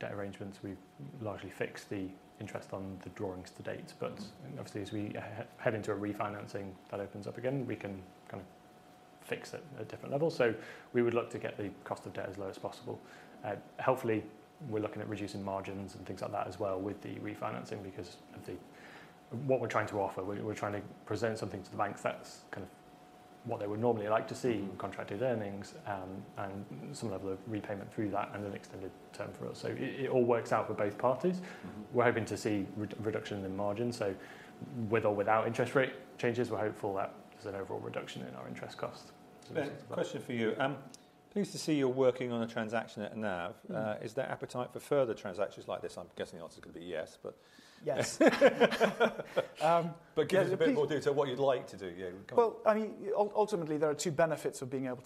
debt arrangements, we've largely fixed the interest on the drawings to date. But obviously as we head into a refinancing that opens up again, we can kind of fix it at different levels. So we would like to get the cost of debt as low as possible. Hopefully we're looking at reducing margins and things like that as well with the refinancing because of what we're trying to offer. We're trying to present something to the bank that's kind of what they would normally like to see in contracted earnings, and some level of repayment through that and an extended term for us. So it all works out for both parties. We're hoping to see reduction in the margin. So with or without interest rate changes, we're hopeful that there's an overall reduction in our interest costs. Ben, question for you. Pleased to see you're working on a transaction at NAV. Is there appetite for further transactions like this? I'm guessing the answer's going to be yes, but. Yes, but give us a bit more detail what you'd like to do. Yeah. Well, I mean, ultimately there are two benefits of being able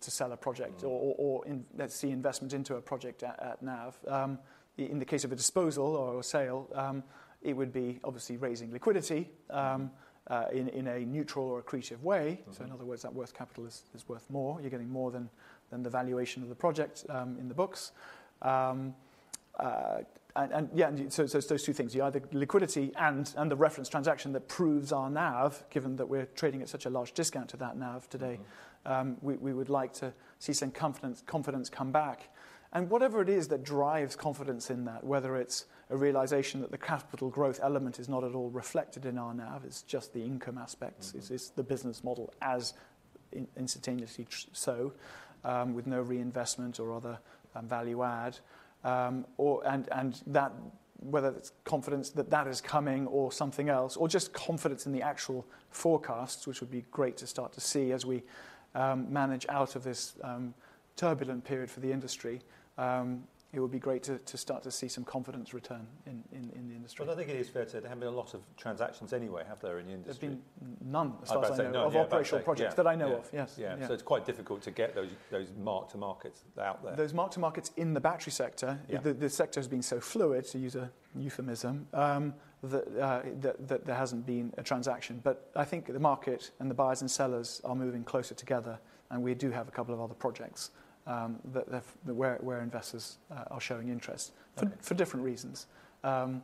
to sell a project or investment into a project at NAV. In the case of a disposal or a sale, it would be obviously raising liquidity in a neutral or accretive way. So in other words, that working capital is worth more. You're getting more than the valuation of the project in the books, and yeah, and so it's those two things. You either liquidity and the reference transaction that proves our NAV, given that we're trading at such a large discount to that NAV today. We would like to see some confidence come back. And whatever it is that drives confidence in that, whether it's a realization that the capital growth element is not at all reflected in our NAV, it's just the income aspect, it's the business model as instantaneously so, with no reinvestment or other value add. Or and that, whether it's confidence that that is coming or something else, or just confidence in the actual forecasts, which would be great to start to see as we manage out of this turbulent period for the industry. It would be great to start to see some confidence return in the industry. But I think it is fair to say there haven't been a lot of transactions anyway, have there, in the industry? There's been none as far as I know of operational projects that I know of. Yes. Yeah. So it's quite difficult to get those mark-to-markets out there. Those mark to markets in the battery sector. The sector has been so fluid, to use a euphemism, that there hasn't been a transaction. But I think the market and the buyers and sellers are moving closer together. And we do have a couple of other projects, that where investors are showing interest for different reasons. Can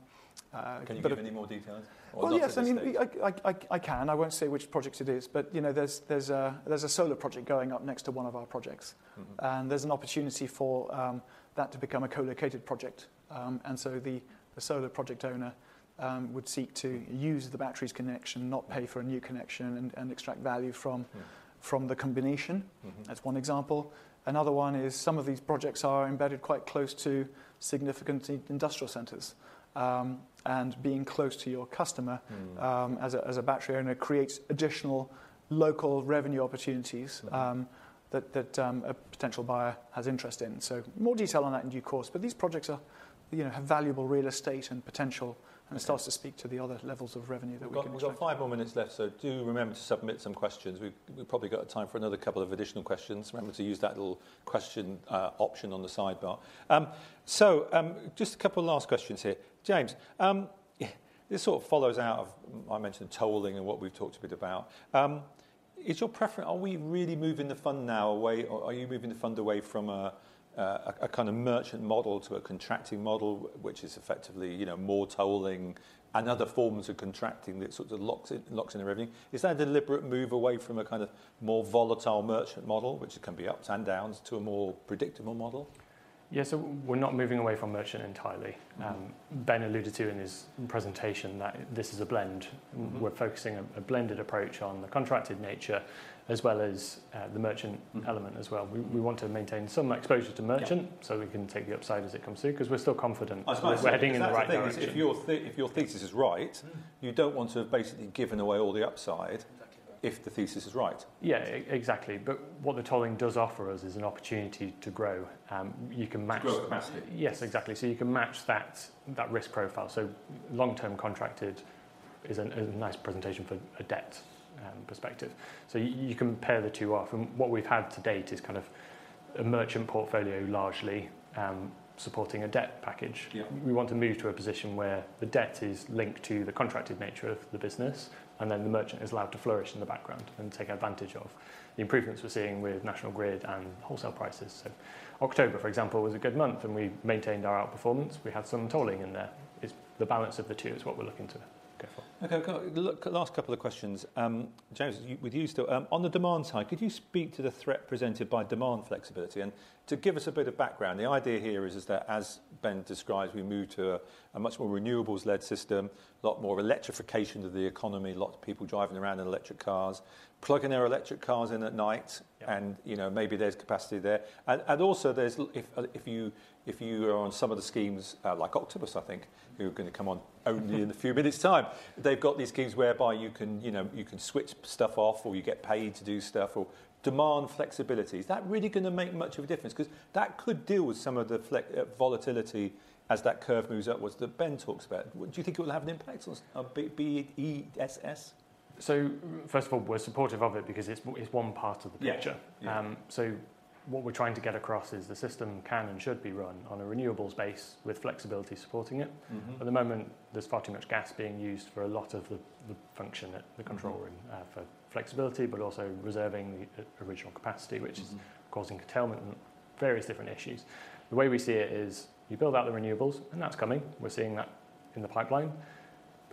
you give any more details? Well, yes, I mean, I can. I won't say which project it is, but you know, there's a solar project going up next to one of our projects, and there's an opportunity for that to become a co-located project, and so the solar project owner would seek to use the battery's connection, not pay for a new connection and extract value from the combination. That's one example. Another one is some of these projects are embedded quite close to significant industrial centers, and being close to your customer, as a battery owner creates additional local revenue opportunities that a potential buyer has interest in. More detail on that in due course, but these projects, you know, have valuable real estate and potential, and it starts to speak to the other levels of revenue that we can expect. We've got five more minutes left. So do remember to submit some questions. We've probably got time for another couple of additional questions. Remember to use that little question option on the sidebar. So, just a couple of last questions here. James, this sort of follows out of, I mentioned tolling and what we've talked a bit about. Is your preference, are we really moving the fund now away, or are you moving the fund away from a kind of merchant model to a contracting model, which is effectively, you know, more tolling and other forms of contracting that sort of locks in everything? Is that a deliberate move away from a kind of more volatile merchant model, which can be ups and downs to a more predictable model? Yeah. So we're not moving away from merchant entirely. Ben alluded to in his presentation that this is a blend. We're focusing on a blended approach on the contracted nature as well as the merchant element as well. We want to maintain some exposure to merchant so we can take the upside as it comes through. 'Cause we're still confident we're heading in the right direction. If your thesis is right, you don't want to have basically given away all the upside if the thesis is right. Yeah, exactly. But what the tolling does offer us is an opportunity to grow. You can match growth capacity. Yes, exactly. So you can match that risk profile. Long-term contracted is a nice presentation for a debt perspective. You can pair the two off. What we've had to date is kind of a merchant portfolio largely supporting a debt package. We want to move to a position where the debt is linked to the contracted nature of the business, and then the merchant is allowed to flourish in the background and take advantage of the improvements we're seeing with National Grid and wholesale prices. So October, for example, was a good month, and we maintained our outperformance. We had some tolling in there. It's the balance of the two is what we're looking to go for. Okay. I've got a last couple of questions. James, with you still, on the demand side, could you speak to the threat presented by demand flexibility? To give us a bit of background, the idea here is that as Ben describes, we move to a much more renewables-led system, a lot more electrification of the economy, a lot of people driving around in electric cars, plugging their electric cars in at night, and, you know, maybe there's capacity there. And also there's, if you are on some of the schemes, like Octopus, I think, who are going to come on only in a few minutes' time, they've got these schemes whereby you can, you know, you can switch stuff off or you get paid to do stuff or demand flexibility. Is that really going to make much of a difference? 'Cause that could deal with some of the flex volatility as that curve moves upwards that Ben talks about. Do you think it will have an impact on BESS? So first of all, we're supportive of it because it's one part of the picture, so what we're trying to get across is the system can and should be run on a renewables base with flexibility supporting it. At the moment, there's far too much gas being used for a lot of the function at the control room, for flexibility, but also reserving the original capacity, which is causing constraint and various different issues. The way we see it is you build out the renewables, and that's coming. We're seeing that in the pipeline.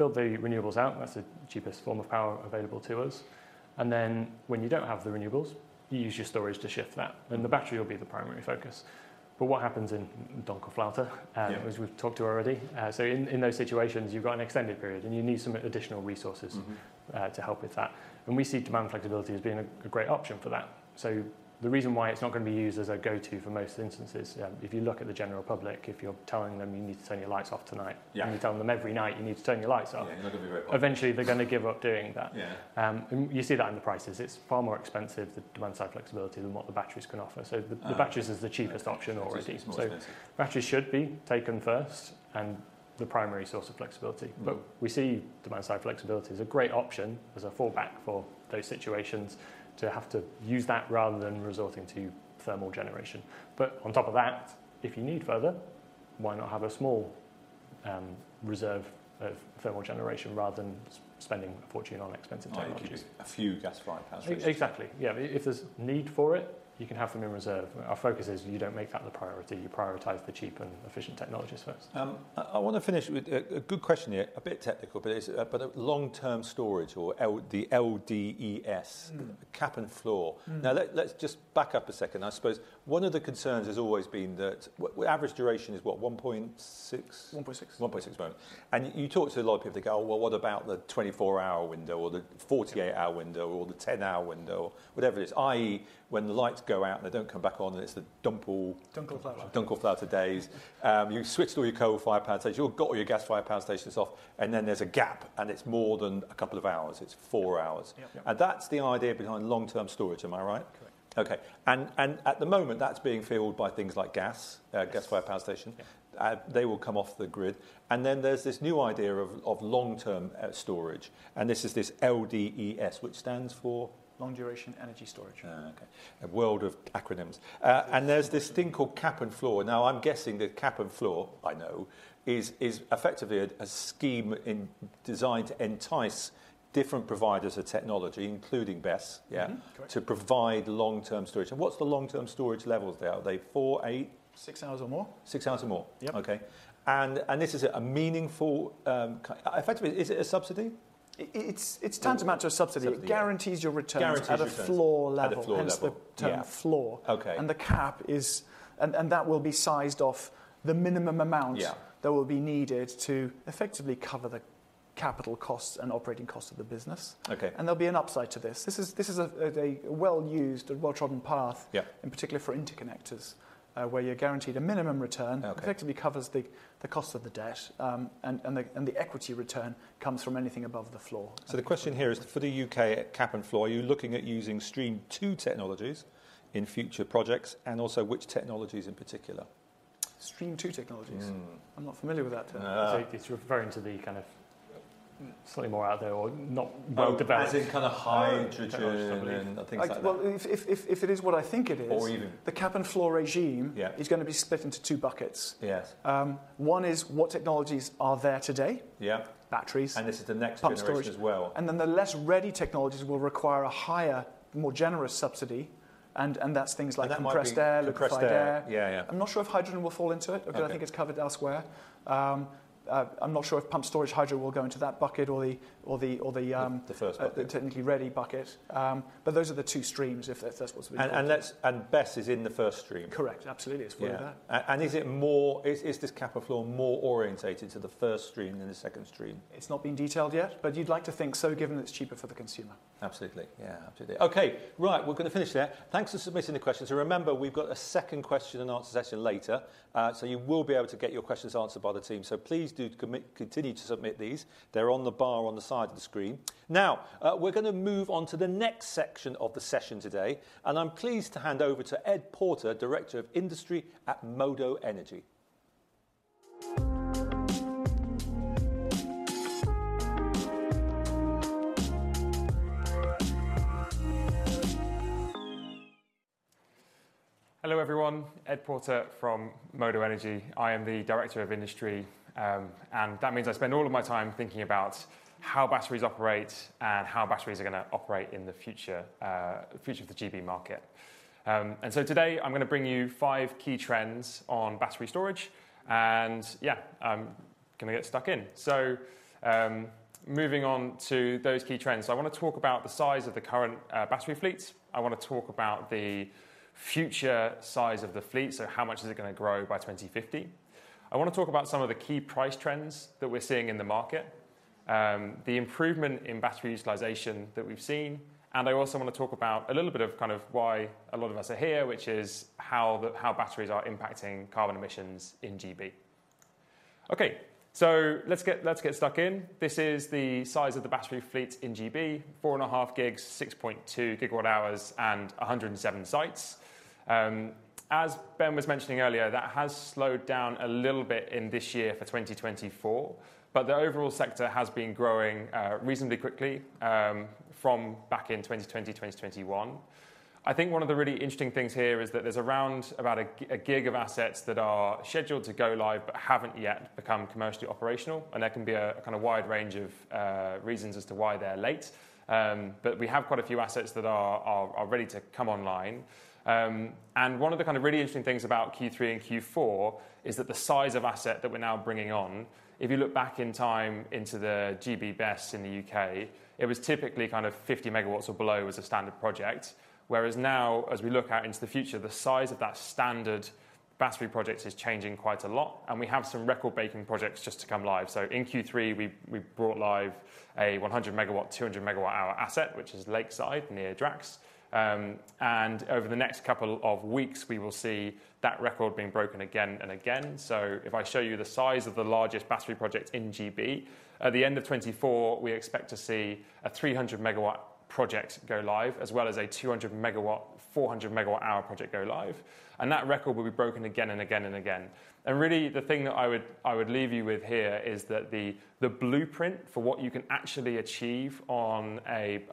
Build the renewables out. That's the cheapest form of power available to us, and then when you don't have the renewables, you use your storage to shift that, and the battery will be the primary focus. But what happens in Dunkelflaute, as we've talked to already, so in those situations, you've got an extended period and you need some additional resources to help with that. And we see demand flexibility as being a great option for that. So the reason why it's not going to be used as a go-to for most instances, if you look at the general public, if you're telling them you need to turn your lights off tonight, and you tell them every night you need to turn your lights off, eventually they're going to give up doing that. And you see that in the prices. It's far more expensive, the demand side flexibility, than what the batteries can offer. So the batteries is the cheapest option already. So batteries should be taken first and the primary source of flexibility. But we see demand side flexibility as a great option, as a fallback for those situations to have to use that rather than resorting to thermal generation. But on top of that, if you need further, why not have a small reserve of thermal generation rather than spending a fortune on expensive technology? A few gas-fired plants. Exactly. Yeah. If there's need for it, you can have them in reserve. Our focus is you don't make that the priority. You prioritize the cheap and efficient technologies first. I want to finish with a good question here. A bit technical, but it's a long-term storage or the LDES cap and floor. Now let's just back up a second. I suppose one of the concerns has always been that average duration is what, 1.6? 1.6. 1.6. You talk to a lot of people that go, well, what about the 24-hour window or the 48-hour window or the 10-hour window or whatever it is? I.e., when the lights go out and they don't come back on, it's the Dunkelflaute days. You switched all your coal-fired power stations, you've got all your gas-fired power stations off, and then there's a gap and it's more than a couple of hours. It's four hours. That's the idea behind long-term storage, am I right? Correct. Okay. And at the moment that's being fueled by things like gas, gas-fired power stations. They will come off the Grid. Then there's this new idea of long-term storage. And this is this LDES, which stands for Long Duration Energy Storage. Okay. A world of acronyms. There's this thing called cap and floor. Now, I'm guessing that Cap and Floor, I know, is, is effectively a scheme designed to entice different providers of technology, including BESS. Yeah, to provide long-term storage, and what's the long-term storage levels there? Are they four, eight? Six hours or more? Six hours or more? Yep. Okay, and, and this is a meaningful, effectively, is it a subsidy? It's, it's tantamount to a subsidy. It guarantees your returns at a floor level. At a floor level, and the cap is, and, and that will be sized off the minimum amount that will be needed to effectively cover the capital costs and operating costs of the business. Okay, and there'll be an upside to this. This is, this is a, a well-used, a well-trodden path, in particular for interconnectors, where you're guaranteed a minimum return. Okay, effectively covers the, the cost of the debt. The equity return comes from anything above the floor. So the question here is for the UK at Cap and Floor, are you looking at using Stream 2 technologies in future projects and also which technologies in particular? Stream 2 technologies. I'm not familiar with that term. It's very into the kind of slightly more out there or not well-developed. As in kind of high-energy. Well, if it is what I think it is, or even the Cap and Floor regime is going to be split into two buckets. Yes. One is what technologies are there today? Yeah. Batteries. And this is the next generation as well. And then the less ready technologies will require a higher, more generous subsidy. And that's things like compressed air, liquefied air. Yeah. Yeah. I'm not sure if hydrogen will fall into it because I think it's covered elsewhere. I'm not sure if pumped storage hydro will go into that bucket or the first bucket. The technically ready bucket, but those are the two streams if that's what's been. And BESS is in the first stream. Correct. Absolutely. It's one of that. And is this cap and floor more oriented to the first stream than the second stream? It's not been detailed yet, but you'd like to think so given that it's cheaper for the consumer. Absolutely. Yeah. Absolutely. Okay. Right. We're going to finish there. Thanks for submitting the questions. And remember, we've got a second question and answer session later, so you will be able to get your questions answered by the team. So please do continue to submit these. They're on the bar on the side of the screen. Now, we're going to move on to the next section of the session today. And I'm pleased to hand over to Ed Porter, Director of Industry at Modo Energy. Hello everyone. Ed Porter from Modo Energy. I am the Director of Industry. And that means I spend all of my time thinking about how batteries operate and how batteries are going to operate in the future, future of the GB market. And so today I'm going to bring you five key trends on battery storage. And yeah, I'm going to get stuck in. So, moving on to those key trends, I want to talk about the size of the current battery fleets. I want to talk about the future size of the fleet. So how much is it going to grow by 2050? I want to talk about some of the key price trends that we're seeing in the market, the improvement in battery utilization that we've seen, and I also want to talk about a little bit of kind of why a lot of us are here, which is how the, how batteries are impacting carbon emissions in GB. Okay, so let's get, let's get stuck in. This is the size of the battery fleet in GB: four and a half gigs, 6.2 gigawatt hours, and 107 sites. As Ben was mentioning earlier, that has slowed down a little bit in this year for 2024, but the overall sector has been growing, reasonably quickly, from back in 2020, 2021. I think one of the really interesting things here is that there's around about a gig of assets that are scheduled to go live but haven't yet become commercially operational. There can be a kind of wide range of reasons as to why they're late, but we have quite a few assets that are ready to come online. One of the kind of really interesting things about Q3 and Q4 is that the size of asset that we're now bringing on. If you look back in time into the GB BESS in the UK, it was typically kind of 50 megawatts or below as a standard project. Whereas now, as we look out into the future, the size of that standard battery project is changing quite a lot. We have some record-breaking projects just to come live. So in Q3, we brought live a 100-megawatt, 200-megawatt-hour asset, which is Lakeside near Drax, and over the next couple of weeks, we will see that record being broken again and again. If I show you the size of the largest battery project in GB, at the end of 2024, we expect to see a 300-megawatt project go live, as well as a 200-megawatt, 400-megawatt-hour project go live. That record will be broken again and again and again. Really the thing that I would leave you with here is that the blueprint for what you can actually achieve on a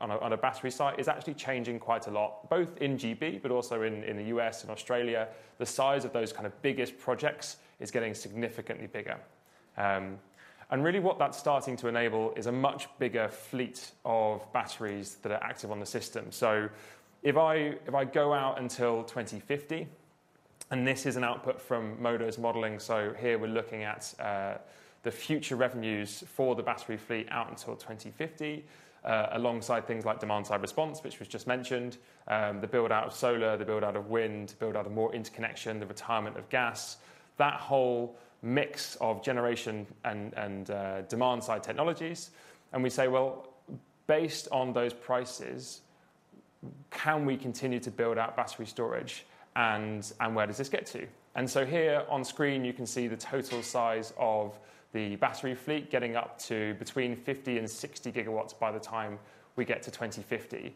battery site is actually changing quite a lot, both in GB, but also in the U.S. and Australia. The size of those kind of biggest projects is getting significantly bigger. Really what that's starting to enable is a much bigger fleet of batteries that are active on the system. If I go out until 2050, and this is an output from Modo's modeling. So here we're looking at the future revenues for the battery fleet out until 2050, alongside things like demand side response, which was just mentioned, the build out of solar, the build out of wind, build out of more interconnection, the retirement of gas, that whole mix of generation and demand side technologies. And we say, well, based on those prices, can we continue to build out battery storage and where does this get to? And so here on screen, you can see the total size of the battery fleet getting up to between 50 and 60 gigawatts by the time we get to 2050.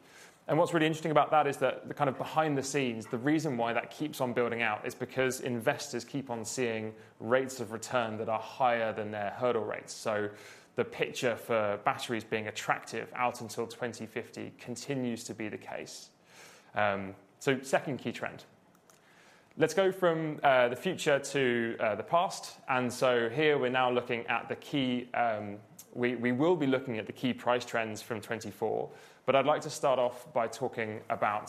And what's really interesting about that is that the kind of behind the scenes, the reason why that keeps on building out is because investors keep on seeing rates of return that are higher than their hurdle rates. So the picture for batteries being attractive out until 2050 continues to be the case. Second key trend. Let's go from the future to the past. And so here we're now looking at the key price trends from 2024, but I'd like to start off by talking about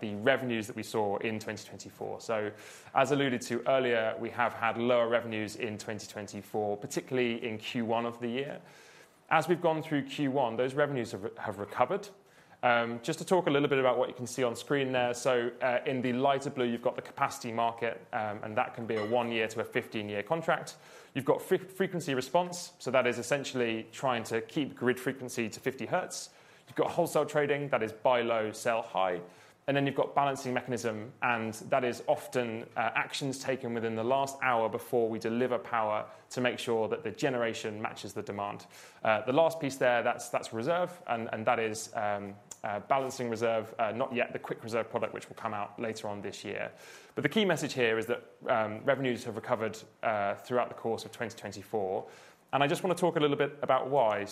the revenues that we saw in 2024. So as alluded to earlier, we have had lower revenues in 2024, particularly in Q1 of the year. As we've gone through Q1, those revenues have recovered. Just to talk a little bit about what you can see on screen there. So, in the lighter blue, you've got the Capacity Market, and that can be a one-year to 15-year contract. You've got frequency response. So that is essentially trying to keep Grid frequency to 50 hertz. You've got wholesale trading that is buy low, sell high. And then you've got Balancing Mechanism, and that is often actions taken within the last hour before we deliver power to make sure that the generation matches the demand. The last piece there, that's reserve, and that is Balancing Reserve, not yet the Quick Reserve product, which will come out later on this year. But the key message here is that revenues have recovered throughout the course of 2024. I just want to talk a little bit about why.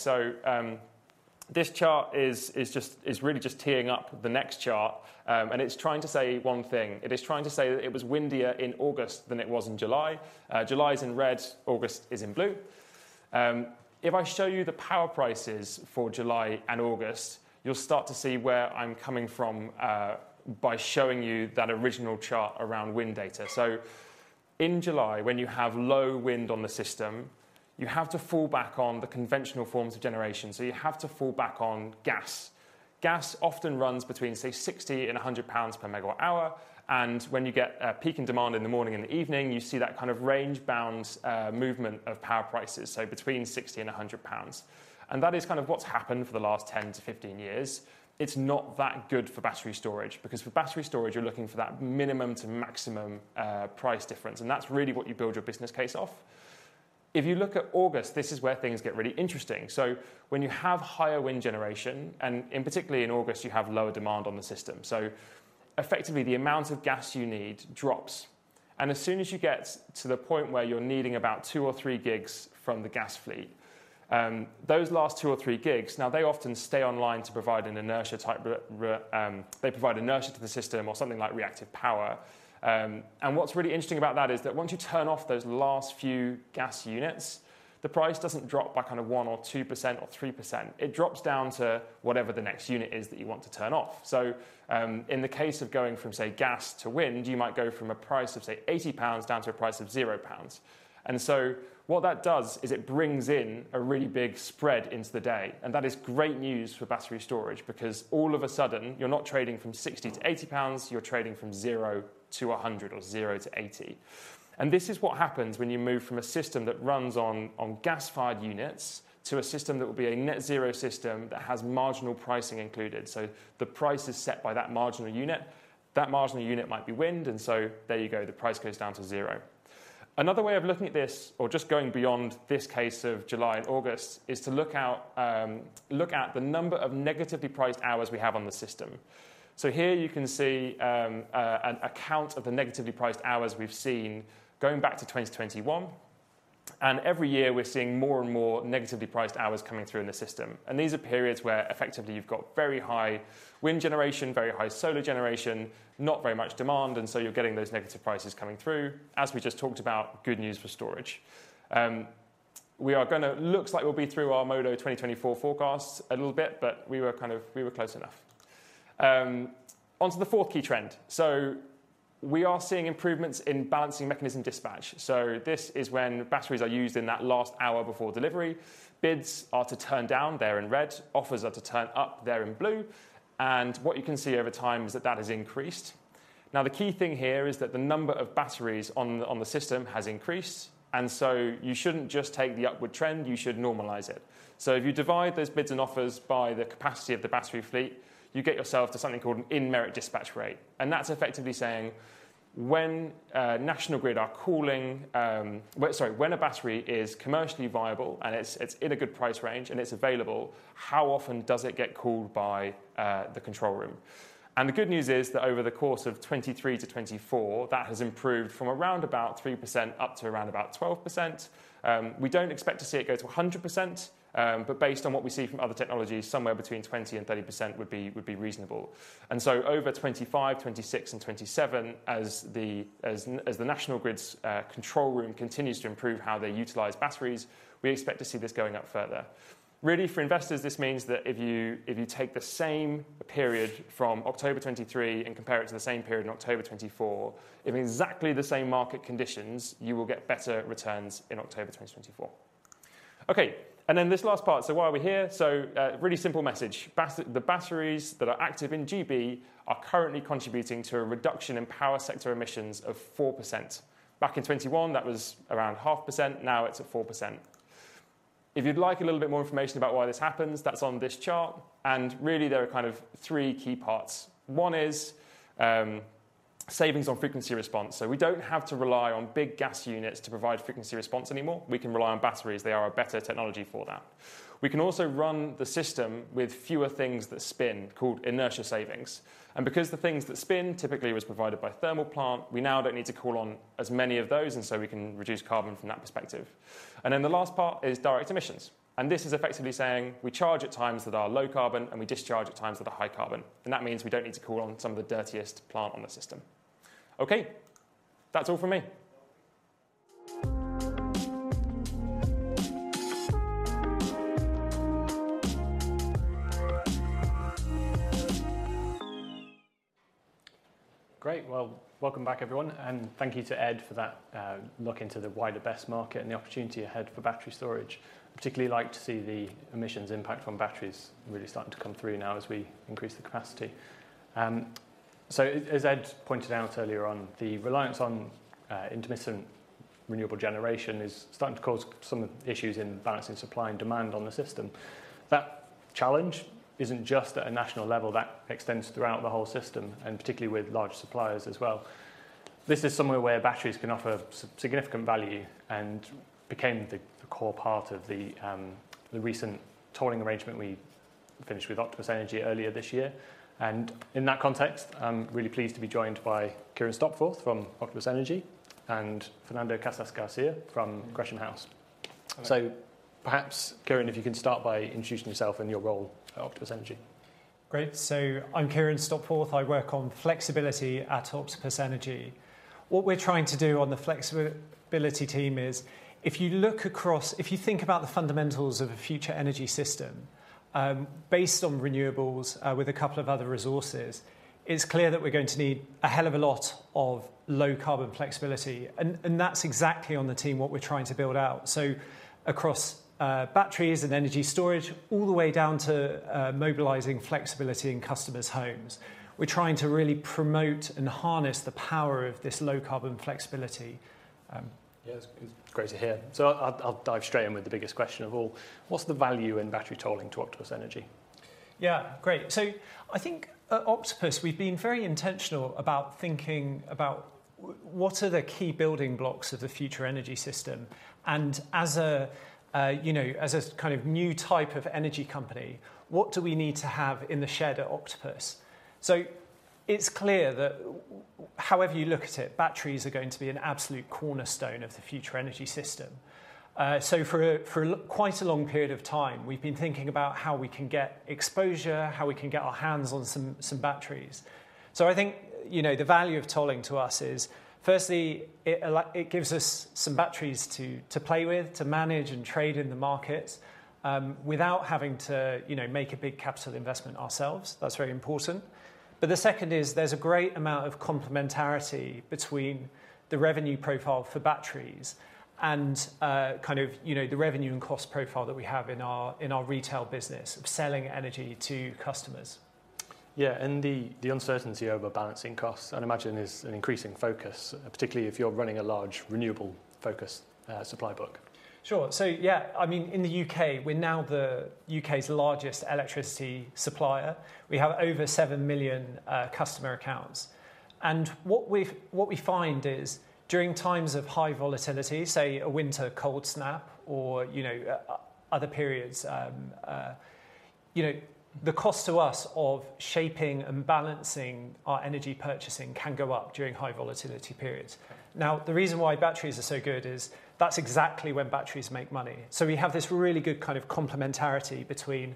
This chart is just really just teeing up the next chart, and it's trying to say one thing. It is trying to say that it was windier in August than it was in July. July is in red, August is in blue. If I show you the power prices for July and August, you'll start to see where I'm coming from, by showing you that original chart around wind data. So in July, when you have low wind on the system, you have to fall back on the conventional forms of generation. So you have to fall back on gas. Gas often runs between, say, 60 and 100 pounds per megawatt hour. And when you get a peak in demand in the morning and the evening, you see that kind of range bound, movement of power prices. So between 60 and 100 pounds. And that is kind of what's happened for the last 10 to 15 years. It's not that good for battery storage because for battery storage, you're looking for that minimum to maximum, price difference. And that's really what you build your business case off. If you look at August, this is where things get really interesting. So when you have higher wind generation, and in particular in August, you have lower demand on the system, so effectively the amount of gas you need drops, and as soon as you get to the point where you're needing about two or three GW from the gas fleet, those last two or three GW, now they often stay online to provide an inertia type, they provide inertia to the system or something like reactive power, and what's really interesting about that is that once you turn off those last few gas units, the price doesn't drop by kind of 1% or 2% or 3%. It drops down to whatever the next unit is that you want to turn off. So, in the case of going from, say, gas to wind, you might go from a price of, say, 80 pounds down to a price of 0 pounds. And so what that does is it brings in a really big spread into the day. And that is great news for battery storage because all of a sudden you're not trading from 60-80 pounds, you're trading from 0-100 or 0-80. And this is what happens when you move from a system that runs on gas fired units to a system that will be a net zero system that has marginal pricing included. So the price is set by that marginal unit. That marginal unit might be wind. And so there you go, the price goes down to 0. Another way of looking at this, or just going beyond this case of July and August, is to look out, look at the number of negatively priced hours we have on the system. So here you can see a count of the negatively priced hours we've seen going back to 2021. And every year we're seeing more and more negatively priced hours coming through in the system. And these are periods where effectively you've got very high wind generation, very high solar generation, not very much demand. And so you're getting those negative prices coming through, as we just talked about, good news for storage. We are going to look like we'll be through our Modo 2024 forecast a little bit, but we were kind of close enough. Onto the fourth key trend. So we are seeing improvements in Balancing Mechanism dispatch. This is when batteries are used in that last hour before delivery. Bids are to turn down, they're in red. Offers are to turn up, they're in blue. What you can see over time is that that has increased. Now the key thing here is that the number of batteries on the system has increased. You shouldn't just take the upward trend, you should normalize it. If you divide those bids and offers by the capacity of the battery fleet, you get yourself to something called an in merit dispatch rate. That's effectively saying when National Grid are calling, sorry, when a battery is commercially viable and it's in a good price range and it's available, how often does it get called by the control room? And the good news is that over the course of 2023 to 2024, that has improved from around about 3% up to around about 12%. We don't expect to see it go to 100%, but based on what we see from other technologies, somewhere between 20%-30% would be reasonable. And so over 2025, 2026, and 2027, as the National Grid's control room continues to improve how they utilize batteries, we expect to see this going up further. Really for investors, this means that if you, if you take the same period from October 2023 and compare it to the same period in October 2024, in exactly the same market conditions, you will get better returns in October 2024. Okay. And then this last part. So why are we here? So, really simple message. The batteries that are active in GB are currently contributing to a reduction in power sector emissions of 4%. Back in 2021, that was around 0.5%. Now it's at 4%. If you'd like a little bit more information about why this happens, that's on this chart, and really there are kind of three key parts. One is, savings on frequency response. So we don't have to rely on big gas units to provide frequency response anymore. We can rely on batteries. They are a better technology for that. We can also run the system with fewer things that spin called inertia savings, and because the things that spin typically was provided by thermal plant, we now don't need to call on as many of those, and so we can reduce carbon from that perspective, and then the last part is direct emissions. And this is effectively saying we charge at times that are low carbon and we discharge at times that are high carbon. And that means we don't need to call on some of the dirtiest plant on the system. Okay, that's all from me. Great. Well, welcome back everyone. And thank you to Ed for that look into the wider BESS market and the opportunity ahead for battery storage. I particularly like to see the emissions impact on batteries really starting to come through now as we increase the capacity. So as Ed pointed out earlier on, the reliance on intermittent renewable generation is starting to cause some of the issues in balancing supply and demand on the system. That challenge isn't just at a national level, that extends throughout the whole system and particularly with large suppliers as well. This is somewhere where batteries can offer significant value and became the core part of the recent tolling arrangement we finished with Octopus Energy earlier this year. In that context, I'm really pleased to be joined by Kieron Stopforth from Octopus Energy and Fernando Casas Garcia from Gresham House. Perhaps Kieron, if you can start by introducing yourself and your role at Octopus Energy. Great. I'm Kieron Stopforth. I work on flexibility at Octopus Energy. What we're trying to do on the flexibility team is if you look across, if you think about the fundamentals of a future energy system, based on renewables, with a couple of other resources, it's clear that we're going to need a hell of a lot of low carbon flexibility. And that's exactly what the team is trying to build out. Across batteries and energy storage all the way down to mobilizing flexibility in customers' homes, we're trying to really promote and harness the power of this low-carbon flexibility. Yeah, it's great to hear. I'll dive straight in with the biggest question of all. What's the value in battery tolling to Octopus Energy? Yeah, great. I think at Octopus, we've been very intentional about thinking about what are the key building blocks of the future energy system. And as a, you know, as a kind of new type of energy company, what do we need to have in the shed at Octopus? It's clear that however you look at it, batteries are going to be an absolute cornerstone of the future energy system. So for quite a long period of time, we've been thinking about how we can get exposure, how we can get our hands on some batteries. So I think, you know, the value of tolling to us is firstly, it gives us some batteries to play with, to manage and trade in the markets, without having to, you know, make a big capital investment ourselves. That's very important. But the second is there's a great amount of complementarity between the revenue profile for batteries and, kind of, you know, the revenue and cost profile that we have in our retail business of selling energy to customers. Yeah. And the uncertainty over balancing costs, I'd imagine is an increasing focus, particularly if you're running a large renewable-focused supply book. Sure. Yeah, I mean, in the U.K., we're now the U.K.'s largest electricity supplier. We have over seven million customer accounts. And what we find is during times of high volatility, say a winter cold snap or, you know, other periods, you know, the cost to us of shaping and balancing our energy purchasing can go up during high volatility periods. Now, the reason why batteries are so good is that's exactly when batteries make money. So we have this really good kind of complementarity between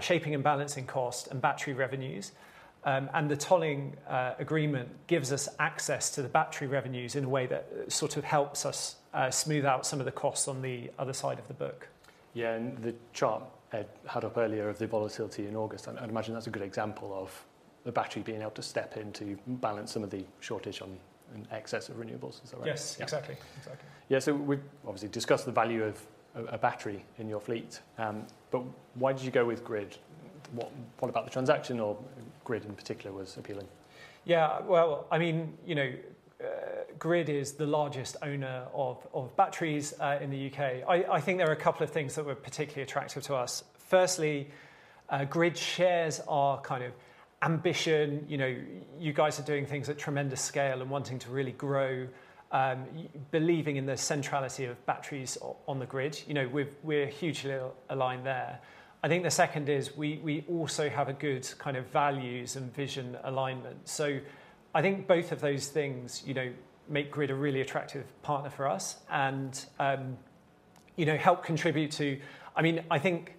shaping and balancing cost and battery revenues. And the tolling agreement gives us access to the battery revenues in a way that sort of helps us smooth out some of the costs on the other side of the book. Yeah. And the chart had up earlier of the volatility in August. I'd imagine that's a good example of the battery being able to step in to balance some of the shortage or an excess of renewables. Is that right? Yes, exactly. Exactly. Yeah. So we've obviously discussed the value of a battery in your fleet. But why did you go with Grid? What, what about the transaction or Grid in particular was appealing? Yeah. Well, I mean, you know, Grid is the largest owner of, of batteries, in the UK. I, I think there are a couple of things that were particularly attractive to us. Firstly, Grid shares our kind of ambition. You know, you guys are doing things at tremendous scale and wanting to really grow, believing in the centrality of batteries on the Grid. You know, we're, we're hugely aligned there. I think the second is we, we also have a good kind of values and vision alignment. So I think both of those things, you know, make Grid a really attractive partner for us and, you know, help contribute to, I mean, I think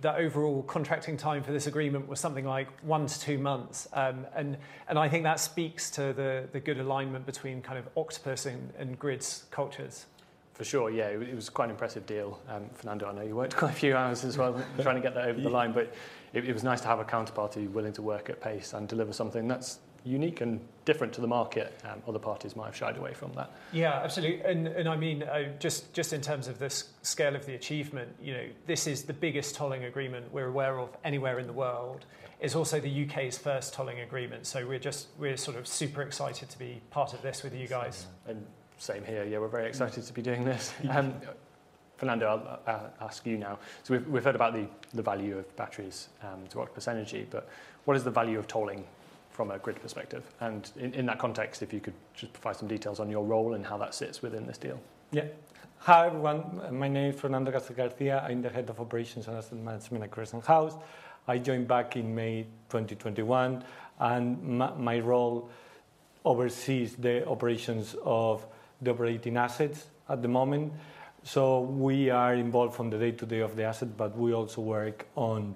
the overall contracting time for this agreement was something like one to two months. And I think that speaks to the good alignment between kind of Octopus and Grid's cultures. For sure. Yeah. It was quite an impressive deal. Fernando, I know you worked quite a few hours as well trying to get that over the line, but it was nice to have a counterparty willing to work at pace and deliver something that's unique and different to the market. Other parties might have shied away from that. Yeah, absolutely. And I mean, just in terms of the scale of the achievement, you know, this is the biggest tolling agreement we're aware of anywhere in the world. It's also the UK's first tolling agreement. So we are just, we are sort of super excited to be part of this with you guys. And same here. Yeah. We're very excited to be doing this. And Fernando, I'll ask you now. So we've heard about the value of batteries to Octopus Energy, but what is the value of tolling from a Grid perspective? And in that context, if you could just provide some details on your role and how that sits within this deal. Yeah. Hi everyone. My name is Fernando Casas Garcia. I'm the head of operations and asset management at Gresham House. I joined back in May 2021, and my role oversees the operations of the operating assets at the moment. We are involved from the day to day of the asset, but we also work on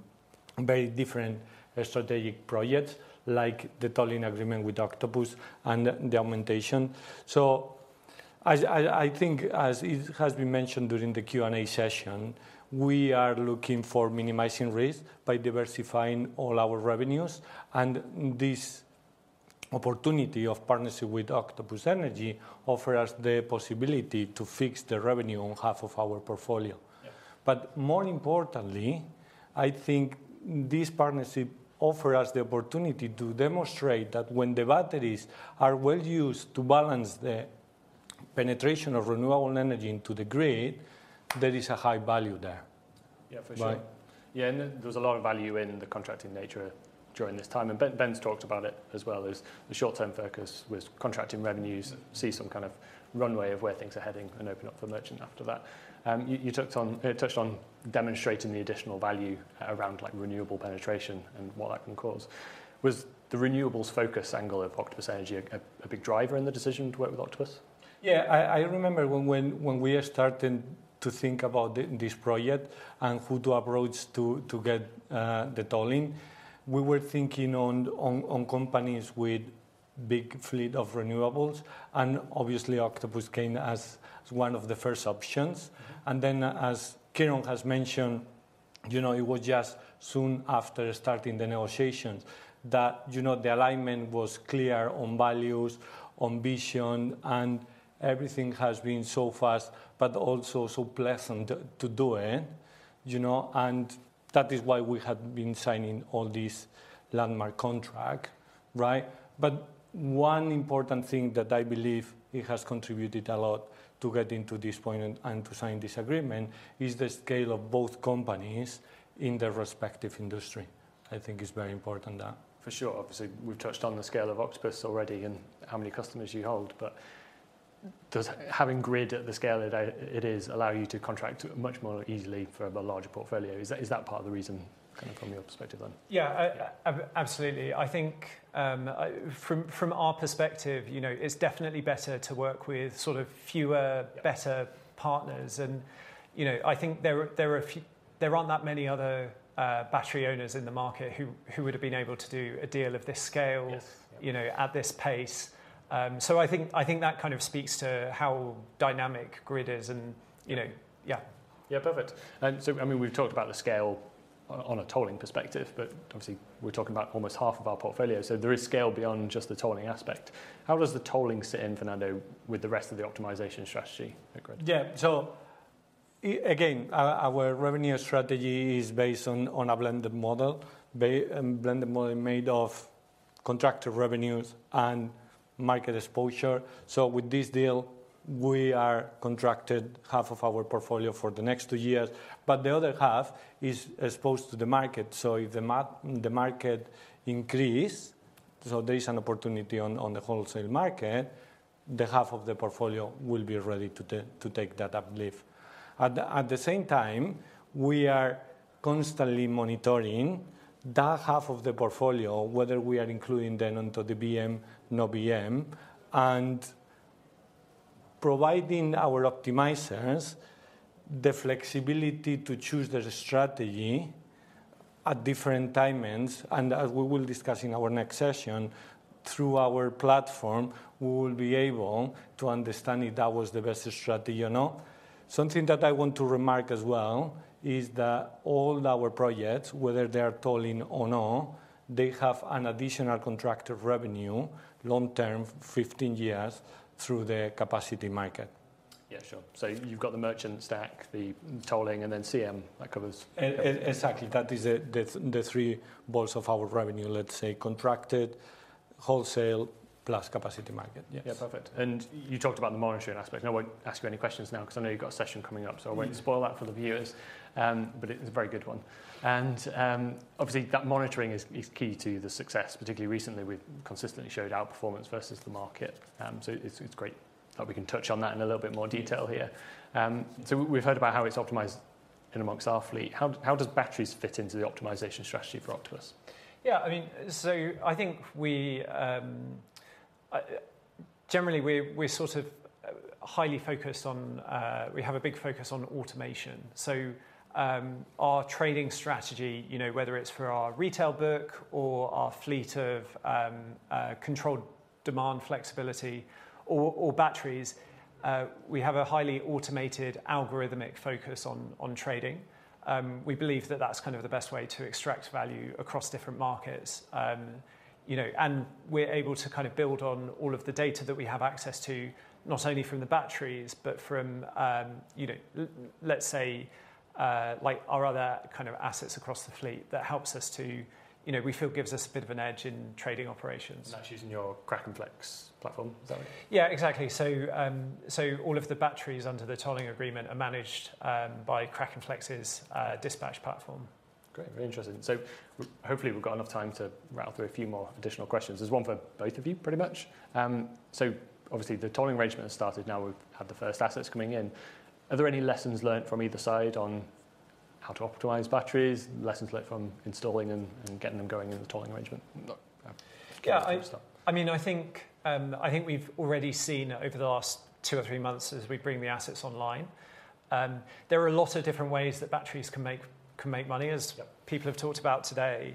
very different strategic projects like the tolling agreement with Octopus and the augmentation. So I think as it has been mentioned during the Q&A session, we are looking for minimizing risk by diversifying all our revenues. And this opportunity of partnership with Octopus Energy offers us the possibility to fix the revenue on half of our portfolio. But more importantly, I think this partnership offers us the opportunity to demonstrate that when the batteries are well used to balance the penetration of renewable energy into the Grid, there is a high value there. Yeah, for sure. Right. Yeah. And there was a lot of value in the contracting nature during this time. And Ben, Ben's talked about it as well as the short-term focus with contracting revenues, see some kind of runway of where things are heading and open up for merchant after that. You touched on it, touched on demonstrating the additional value around like renewable penetration and what that can cause. Was the renewables focus angle of Octopus Energy a big driver in the decision to work with Octopus? Yeah. I remember when we are starting to think about this project and who to approach to get the tolling, we were thinking on companies with big fleet of renewables. And obviously Octopus came as one of the first options. And then as Kieron has mentioned, you know, it was just soon after starting the negotiations that, you know, the alignment was clear on values, on vision, and everything has been so fast, but also so pleasant to do it, you know. And that is why we had been signing all these landmark contracts, right? But one important thing that I believe it has contributed a lot to getting to this point and to sign this agreement is the scale of both companies in their respective industry. I think it's very important that. For sure. Obviously we've touched on the scale of Octopus already and how many customers you hold, but does having Grid at the scale it is allow you to contract much more easily for a larger portfolio? Is that, is that part of the reason kind of from your perspective then? Yeah, absolutely. I think from our perspective, you know, it's definitely better to work with sort of fewer better partners. And, you know, I think there are a few, there aren't that many other battery owners in the market who would've been able to do a deal of this scale, you know, at this pace. So I think that kind of speaks to how dynamic Grid is and, you know, yeah. Yeah, perfect. And so, I mean, we've talked about the scale on a tolling perspective, but obviously we're talking about almost half of our portfolio. So there is scale beyond just the tolling aspect. How does the tolling sit in Fernando with the rest of the optimization strategy at Grid? Yeah. So again, our revenue strategy is based on a blended model made of contracted revenues and market exposure. With this deal, we are contracted half of our portfolio for the next two years, but the other half is exposed to the market. If the market increases, there is an opportunity on the wholesale market, the half of the portfolio will be ready to take that uplift. At the same time, we are constantly monitoring that half of the portfolio, whether we are including them onto the BM, no BM, and providing our optimizers the flexibility to choose their strategy at different times. As we will discuss in our next session through our platform, we will be able to understand if that was the best strategy or not. Something that I want to remark as well is that all our projects, whether they are tolling or not, they have an additional contracted revenue long term, 15 years through the Capacity Market. Yeah, sure. So you've got the merchant stack, the tolling, and then CM that covers. Exactly. That is the three pillars of our revenue, let's say contracted wholesale plus Capacity Market. Yes. Yeah, perfect. And you talked about the monitoring aspect. Now I won't ask you any questions now 'cause I know you've got a session coming up, so I won't spoil that for the viewers. But it's a very good one. And, obviously that monitoring is key to the success, particularly recently we've consistently showed outperformance versus the market. So it's great that we can touch on that in a little bit more detail here. So we've heard about how it's optimized in among our fleet. How does batteries fit into the optimization strategy for Octopus? Yeah, I mean, so I think generally we're sort of highly focused on automation. Our trading strategy, you know, whether it's for our retail book or our fleet of controlled demand flexibility or batteries, we have a highly automated algorithmic focus on trading. We believe that that's kind of the best way to extract value across different markets. You know, and we are able to kind of build on all of the data that we have access to, not only from the batteries, but from, you know, let's say, like our other kind of assets across the fleet that helps us to, you know, we feel gives us a bit of an edge in trading operations. That's using your KrakenFlex platform. Is that right? Yeah, exactly. So all of the batteries under the tolling agreement are managed by KrakenFlex's dispatch platform. Great. Very interesting. So hopefully we've got enough time to rattle through a few more additional questions. There's one for both of you pretty much. So obviously the tolling arrangement has started. Now we've had the first assets coming in. Are there any lessons learned from either side on how to optimize batteries, lessons learned from installing and getting them going in the tolling arrangement? No. Yeah. I mean, I think we've already seen over the last two or three months as we bring the assets online, there are a lot of different ways that batteries can make money as people have talked about today.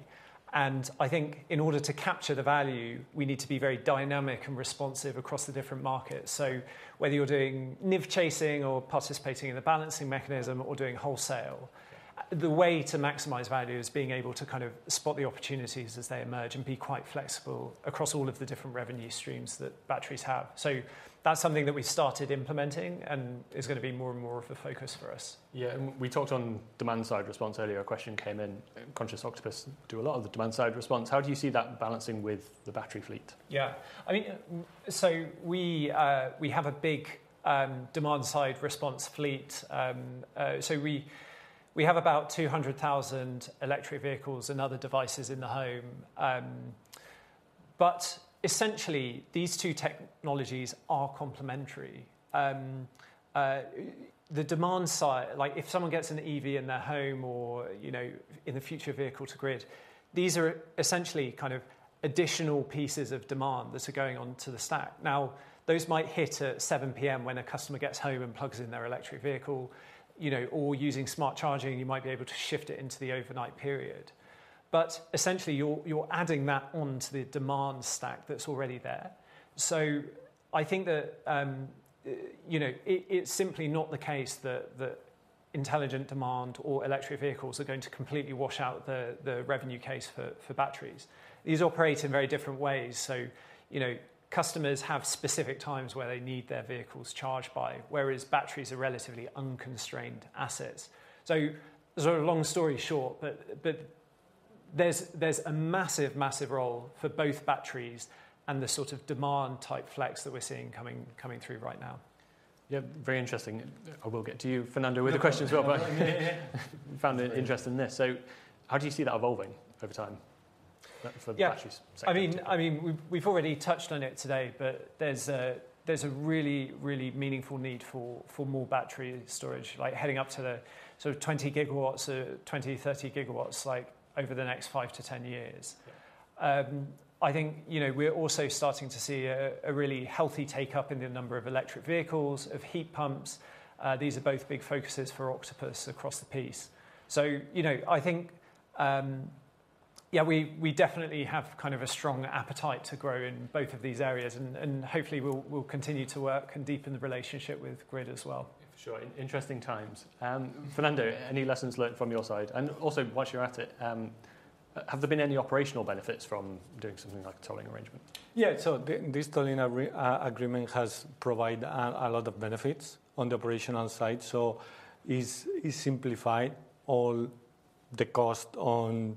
I think in order to capture the value, we need to be very dynamic and responsive across the different markets. So whether you are doing NIV chasing or participating in the Balancing Mechanism or doing wholesale, the way to maximize value is being able to kind of spot the opportunities as they emerge and be quite flexible across all of the different revenue streams that batteries have. So that's something that we've started implementing and is gonna be more and more of a focus for us. Yeah. And we talked on demand side response earlier. A question came in, conscious Octopus do a lot of the demand side response. How do you see that balancing with the battery fleet? Yeah. I mean, so we have a big demand side response fleet. So we have about 200,000 electric vehicles and other devices in the home. But essentially these two technologies are complementary. The demand side, like if someone gets an EV in their home or, you know, in the future Vehicle-to-Grid, these are essentially kind of additional pieces of demand that are going onto the stack. Now those might hit at 7:00 P.M. when a customer gets home and plugs in their electric vehicle, you know, or using smart charging, you might be able to shift it into the overnight period. But essentially you are, you are adding that onto the demand stack that's already there. So I think that, you know, it, it's simply not the case that, that intelligent demand or electric vehicles are going to completely wash out the, the revenue case for, for batteries. These operate in very different ways. You know, customers have specific times where they need their vehicles charged by, whereas batteries are relatively unconstrained assets. So sort of long story short, but there's a massive, massive role for both batteries and the sort of demand type flex that we're seeing coming through right now. Yeah. Very interesting. I will get to you, Fernando, with the question as well, but found the interest in this. So how do you see that evolving over time for the battery sector? Yeah. I mean, we've already touched on it today, but there's a really, really meaningful need for more battery storage, like heading up to the sort of 20 gigawatts or 20-30 gigawatts, like over the next five to 10 years. I think, you know, we are also starting to see a really healthy uptake in the number of electric vehicles, of heat pumps. These are both big focuses for Octopus across the piece. So, you know, I think, yeah, we definitely have kind of a strong appetite to grow in both of these areas and hopefully we'll continue to work and deepen the relationship with Grid as well. For sure. Interesting times. Fernando, any lessons learned from your side? And also while you're at it, have there been any operational benefits from doing something like a tolling arrangement? Yeah. So this tolling agreement has provided a lot of benefits on the operational side. So it's simplified all the cost on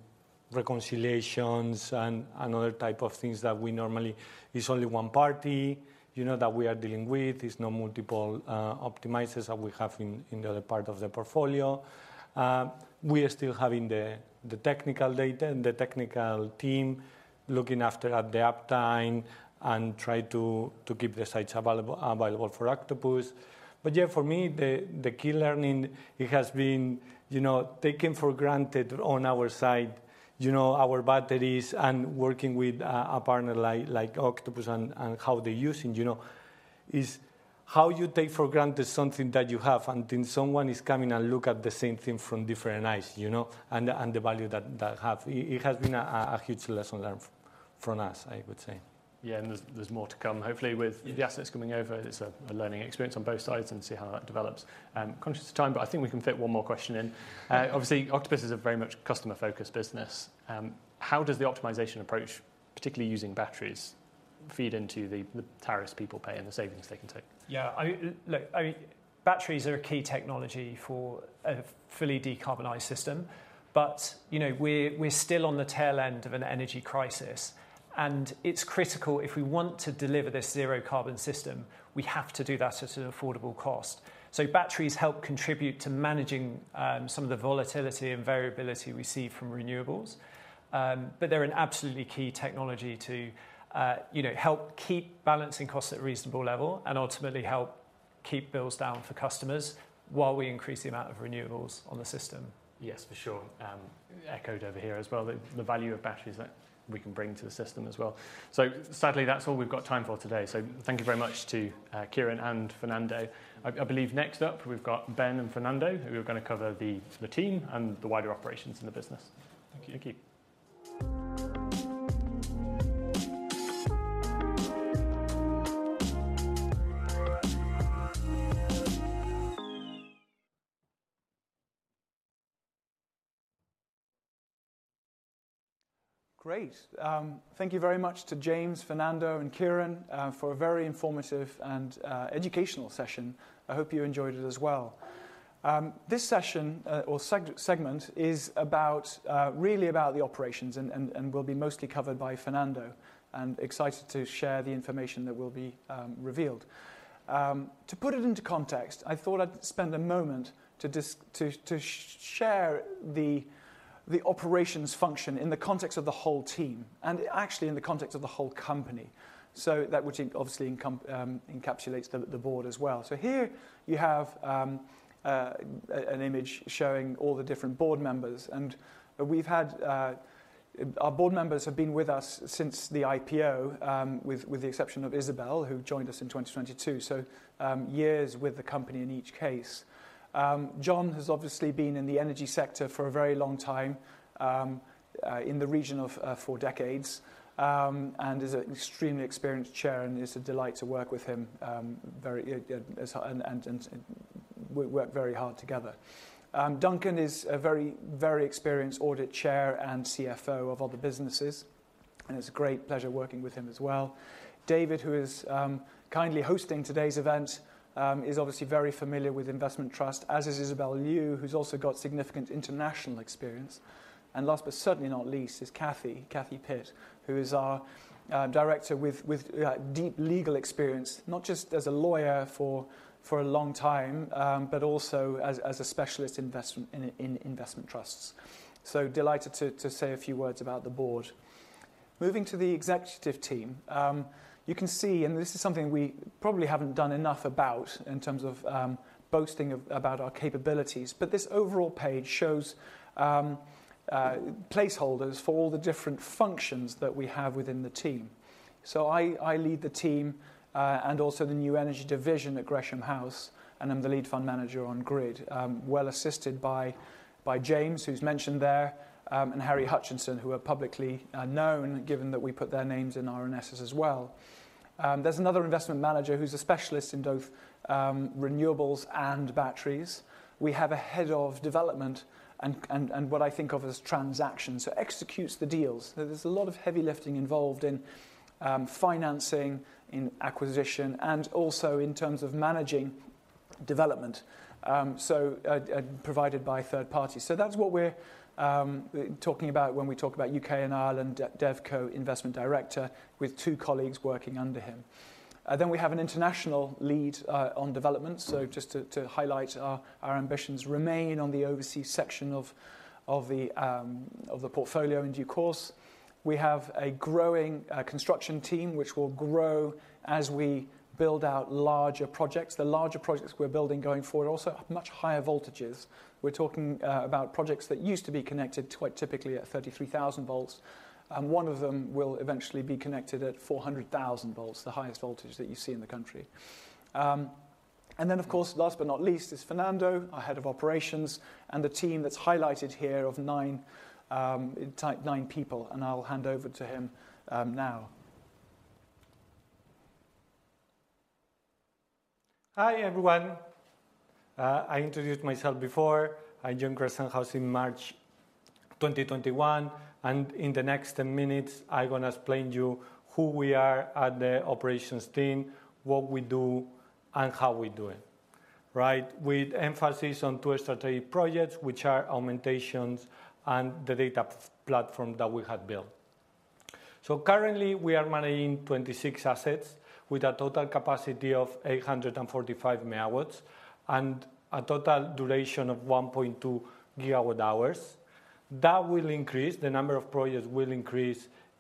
reconciliations and other type of things that we normally, it's only one party, you know, that we are dealing with. It's no multiple optimizers that we have in the other part of the portfolio. We are still having the technical data and the technical team looking after the uptime and try to keep the sites available for Octopus. But yeah, for me, the key learning, it has been, you know, taken for granted on our side, you know, our batteries and working with a partner like Octopus and how they're using, you know, is how you take for granted something that you have and then someone is coming and look at the same thing from different eyes, you know, and the value that have, it has been a huge lesson learned from us, I would say. Yeah. And there's more to come hopefully with the assets coming over. It's a learning experience on both sides and see how that develops. Conscious of time, but I think we can fit one more question in. Obviously Octopus is a very much customer focused business. How does the optimization approach, particularly using batteries, feed into the tariffs people pay and the savings they can take? Yeah. I mean, look, I mean, batteries are a key technology for a fully decarbonized system, but you know, we are still on the tail end of an energy crisis and it's critical if we want to deliver this zero carbon system, we have to do that at an affordable cost. So batteries help contribute to managing some of the volatility and variability we see from renewables. But they're an absolutely key technology to, you know, help keep balancing costs at a reasonable level and ultimately help keep bills down for customers while we increase the amount of renewables on the system. Yes, for sure. Echoed over here as well, the value of batteries that we can bring to the system as well. So sadly that's all we've got time for today. So thank you very much to Kieron and Fernando. I believe next up we've got Ben and Fernando, who are gonna cover the team and the wider operations in the business. Thank you. Thank you. Great. Thank you very much to James, Fernando and Kieron, for a very informative and educational session. I hope you enjoyed it as well. This session, or segment, is about, really about the operations and will be mostly covered by Fernando and excited to share the information that will be revealed. To put it into context, I thought I'd spend a moment to discuss, to share the operations function in the context of the whole team and actually in the context of the whole company. So that would obviously encompass the board as well. So here you have an image showing all the different board members and our board members have been with us since the IPO, with the exception of Isabel, who joined us in 2022. So, years with the company in each case. John has obviously been in the energy sector for a very long time, in the region of four decades, and is an extremely experienced chair and it's a delight to work with him, and we work very hard together. Duncan is a very experienced audit chair and CFO of other businesses, and it's a great pleasure working with him as well. David, who is kindly hosting today's event, is obviously very familiar with investment trust, as is Isabel Liu, who's also got significant international experience. And last but certainly not least is Cathy Pitt, who is our director with deep legal experience, not just as a lawyer for a long time, but also as a specialist in investment trusts. So delighted to say a few words about the board. Moving to the executive team, you can see, and this is something we probably haven't done enough about in terms of boasting about our capabilities, but this overall page shows placeholders for all the different functions that we have within the team. So I lead the team, and also the New Energy division at Gresham House, and I'm the lead fund manager on Grid, well assisted by James, who's mentioned there, and Harry Hutchinson, who are publicly known, given that we put their names in RNSs as well. There's another investment manager who's a specialist in both renewables and batteries. We have a head of development and what I think of as transactions, so executes the deals. There's a lot of heavy lifting involved in financing, in acquisition, and also in terms of managing development, so provided by third parties. That's what we are talking about when we talk about UK and Ireland DevCo investment director with two colleagues working under him. Then we have an international lead on development. Just to highlight our ambitions remain on the overseas section of the portfolio in due course. We have a growing construction team, which will grow as we build out larger projects. The larger projects we are building going forward are also much higher voltages. We are talking about projects that used to be connected quite typically at 33,000 volts. One of them will eventually be connected at 400,000 volts, the highest voltage that you see in the country. Then of course, last but not least is Fernando, our head of operations and the team that's highlighted here of nine, tight nine people. I'll hand over to him now. Hi everyone. I introduced myself before. I joined Gresham House in March 2021, and in the next 10 minutes, I'm gonna explain to you who we are at the operations team, what we do, and how we do it, right? With emphasis on two strategic projects, which are augmentations and the data platform that we had built, so currently we are managing 26 assets with a total capacity of 845 megawatts and a total duration of 1.2 gigawatt hours. That will increase the number of projects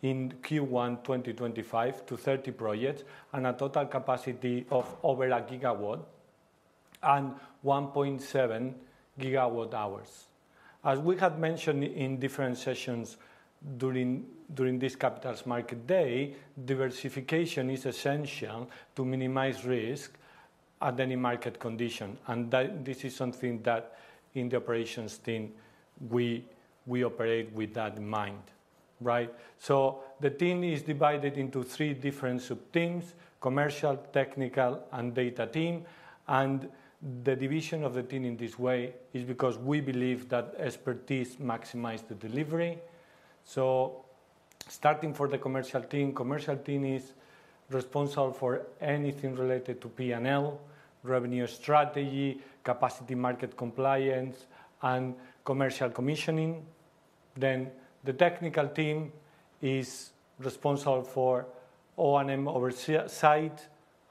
in Q1 2025 to 30 projects and a total capacity of over a gigawatt and 1.7 gigawatt hours. As we had mentioned in different sessions during this Capital Markets Day, diversification is essential to minimize risk at any market condition, and that this is something that in the operations team, we operate with that in mind, right? The team is divided into three different subteams, commercial, technical, and data team. The division of the team in this way is because we believe that expertise maximizes the delivery. Starting for the commercial team, commercial team is responsible for anything related to P&L, revenue strategy, Capacity Market compliance, and commercial commissioning. The technical team is responsible for O&M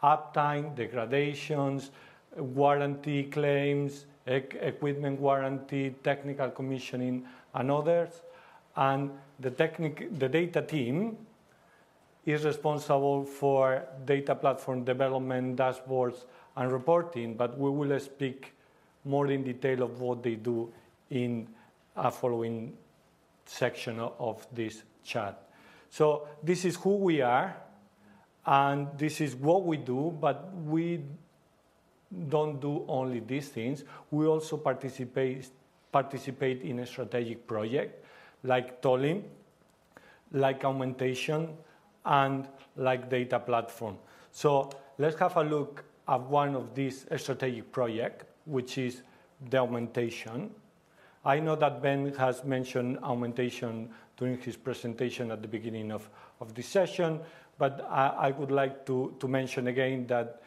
uptime, degradations, warranty claims, equipment warranty, technical commissioning, and others. The tech, the data team is responsible for data platform development, dashboards, and reporting. We will speak more in detail of what they do in a following section of this chat. This is who we are, and this is what we do, but we don't do only these things. We also participate in a strategic project like tolling, like augmentation, and like data platform. Let's have a look at one of these strategic projects, which is the augmentation. I know that Ben has mentioned augmentation during his presentation at the beginning of this session, but I would like to mention again that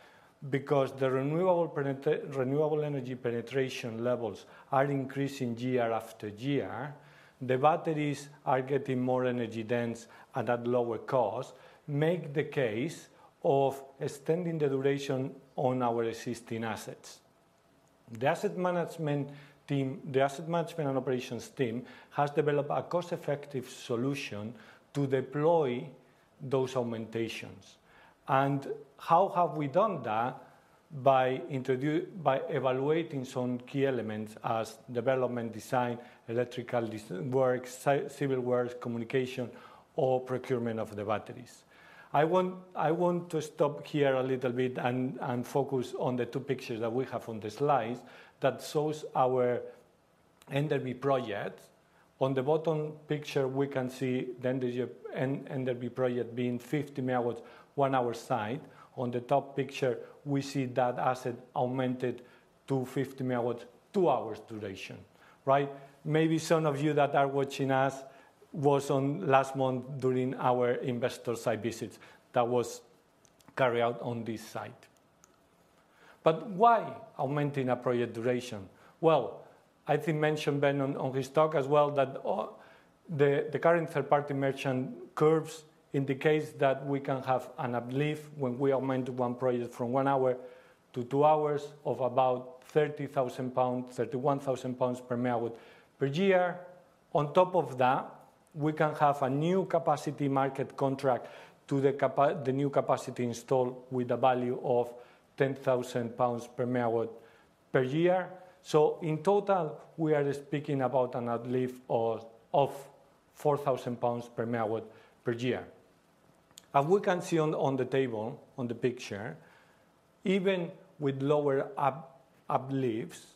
because the renewable energy penetration levels are increasing year after year, the batteries are getting more energy dense and at lower cost, make the case of extending the duration on our existing assets. The asset management team, the asset management and operations team has developed a cost-effective solution to deploy those augmentations. And how have we done that? By evaluating some key elements as development, design, electrical work, civil works, communication, or procurement of the batteries. I want to stop here a little bit and focus on the two pictures that we have on the slides that shows our BESS projects. On the bottom picture, we can see the Glastonbury project being 50 megawatts, one hour site. On the top picture, we see that asset augmented to 50 megawatts, two hours duration, right? Maybe some of you that are watching us was on last month during our investor site visits that was carried out on this site. But why augmenting a project duration? Well, I think Ben mentioned on his talk as well that the current third-party merchant curves indicates that we can have an uplift when we augment one project from one hour to two hours of about 30,000 pounds, 31,000 pounds per megawatt per year. On top of that, we can have a new Capacity Market contract to the capa, the new capacity installed with a value of 10,000 pounds per megawatt per year. In total, we are speaking about an uplift of 4,000 pounds per megawatt per year. We can see on the table, on the picture, even with lower uplifts,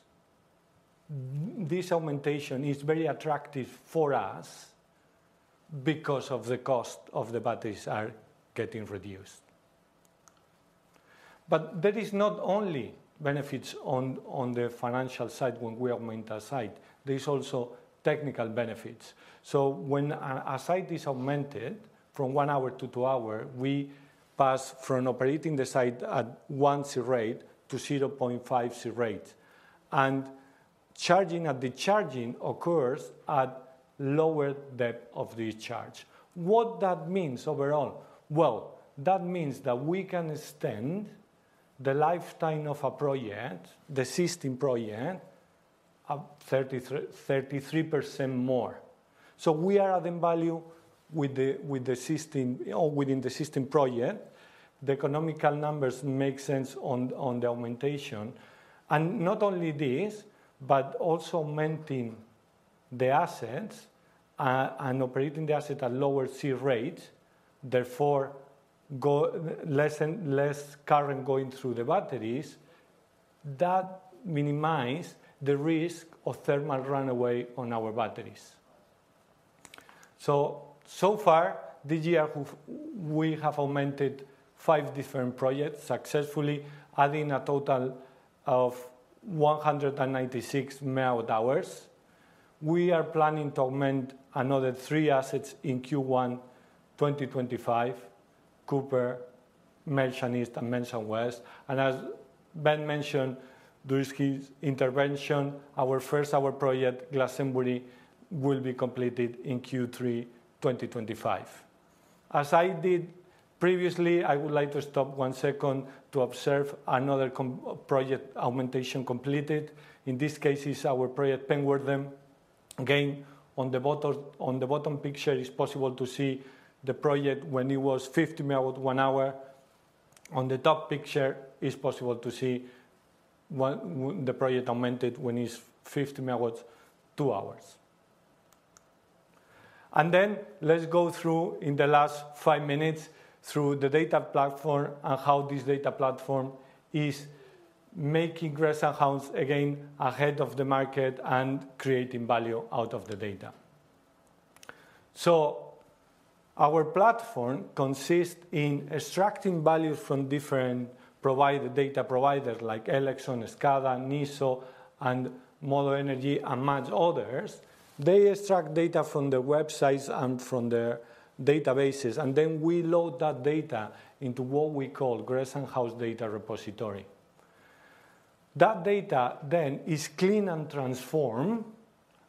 this augmentation is very attractive for us because the cost of the batteries are getting reduced. There are not only benefits on the financial side when we augment our site. There are also technical benefits. When a site is augmented from one hour to two hours, we pass from operating the site at one C-rate to 0.5 C-rate. Charging occurs at lower depth of discharge. What that means overall? That means that we can extend the lifetime of a project, the system project, up 33% more. We are at a value with the system or within the system project. The economic numbers make sense on the augmentation. Not only this, but also augmenting the assets and operating the asset at lower C-rates, therefore go less and less current going through the batteries that minimize the risk of thermal runaway on our batteries. So far this year, we have augmented five different projects successfully, adding a total of 196 megawatt hours. We are planning to augment another three assets in Q1 2025: Coupar, Melksham East, and Melksham West. As Ben mentioned, during his intervention, our first hour project, Glastonbury, will be completed in Q3 2025. As I did previously, I would like to stop one second to observe another 100 MW project augmentation completed. In this case, it's our project Penwortham. Again, on the bottom picture, it's possible to see the project when it was 50 megawatts one hour. On the top picture, it's possible to see when the project augmented when it's 50 megawatts two hours. Let's go through in the last five minutes through the data platform and how this data platform is making Gresham House again ahead of the market and creating value out of the data. Our platform consists in extracting values from different data providers like Elexon, SCADA, NESO, and Modo Energy, and many others. They extract data from the websites and from the databases, and then we load that data into what we call Gresham House Data Repository. That data then is cleaned and transformed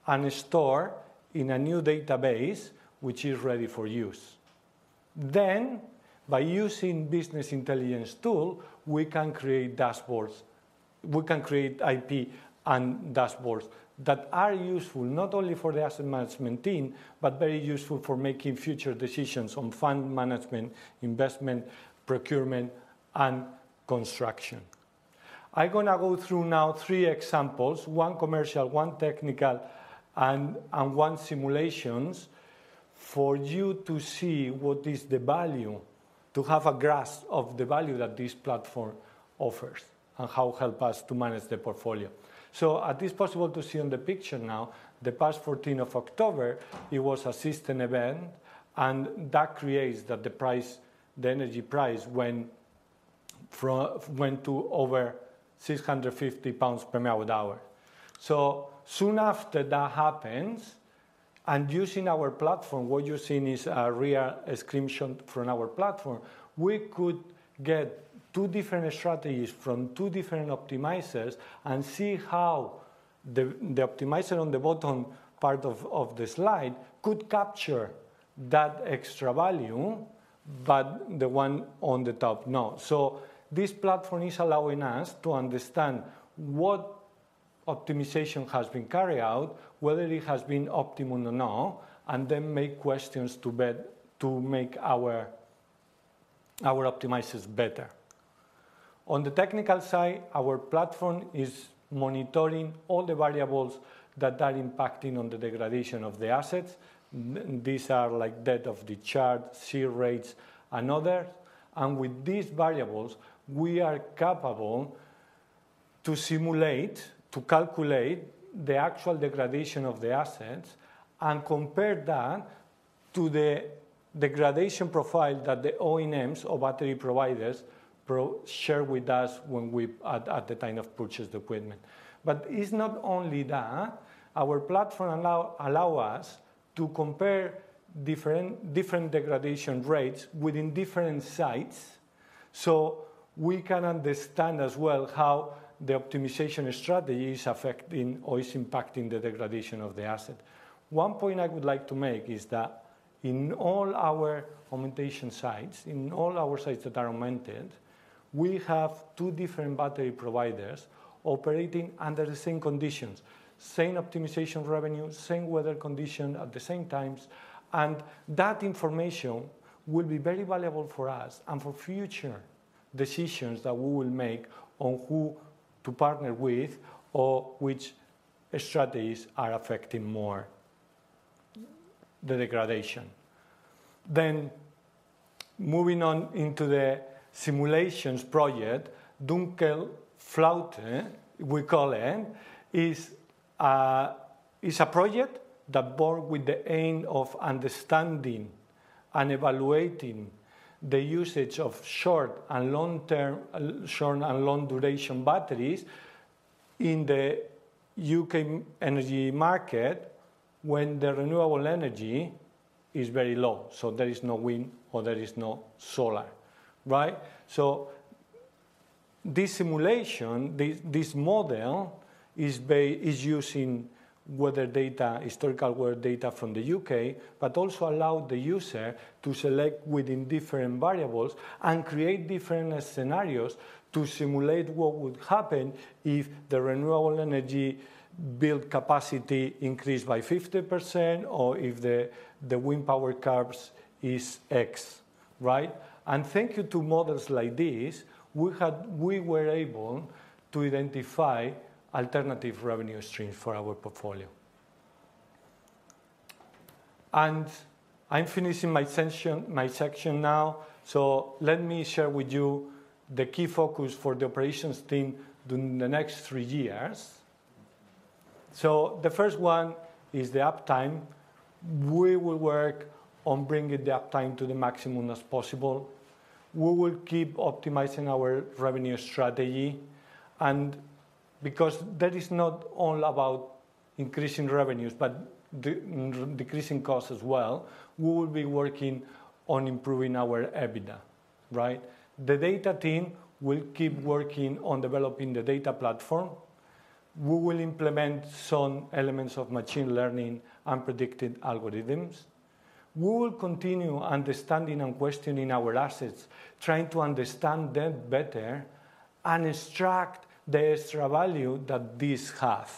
and stored in a new database, which is ready for use. Then, by using business intelligence tools, we can create dashboards. We can create IP and dashboards that are useful not only for the asset management team, but very useful for making future decisions on fund management, investment, procurement, and construction. I'm gonna go through now three examples: one commercial, one technical, and one simulation for you to see what is the value to have a grasp of the value that this platform offers and how it helps us to manage the portfolio. So, is it possible to see on the picture now, the past 14th of October, it was a system event, and that creates that the price, the energy price went to over 650 pounds per megawatt hour. Soon after that happens, and using our platform, what you're seeing is a real screenshot from our platform. We could get two different strategies from two different optimizers and see how the optimizer on the bottom part of the slide could capture that extra value, but the one on the top, no. This platform is allowing us to understand what optimization has been carried out, whether it has been optimal or not, and then ask questions to better make our optimizers better. On the technical side, our platform is monitoring all the variables that are impacting on the degradation of the assets. These are like depth of discharge, C-rates, and others. With these variables, we are capable to simulate, to calculate the actual degradation of the assets and compare that to the degradation profile that the OEMs or battery providers share with us when we at the time of purchase equipment. But it's not only that; our platform allow us to compare different degradation rates within different sites. So we can understand as well how the optimization strategy is affecting or is impacting the degradation of the asset. One point I would like to make is that in all our augmentation sites, in all our sites that are augmented, we have two different battery providers operating under the same conditions, same optimization revenue, same weather condition at the same times. That information will be very valuable for us and for future decisions that we will make on who to partner with or which strategies are affecting more the degradation. Moving on into the simulations project, Dunkelflaute, we call it, is a project that bore with the aim of understanding and evaluating the usage of short- and long-duration batteries in the UK energy market when the renewable energy is very low. So there is no wind or there is no solar, right? So this simulation, this model is using weather data, historical weather data from the UK, but also allowed the user to select within different variables and create different scenarios to simulate what would happen if the renewable energy build capacity increased by 50% or if the, the wind power curves is X, right? Thank you to models like this, we had, we were able to identify alternative revenue streams for our portfolio. I'm finishing my session, my section now. Let me share with you the key focus for the operations team during the next three years. The first one is the uptime. We will work on bringing the uptime to the maximum as possible. We will keep optimizing our revenue strategy. And because that is not all about increasing revenues, but decreasing costs as well, we will be working on improving our EBITDA, right? The data team will keep working on developing the data platform. We will implement some elements of machine learning and predictive algorithms. We will continue understanding and questioning our assets, trying to understand them better and extract the extra value that these have,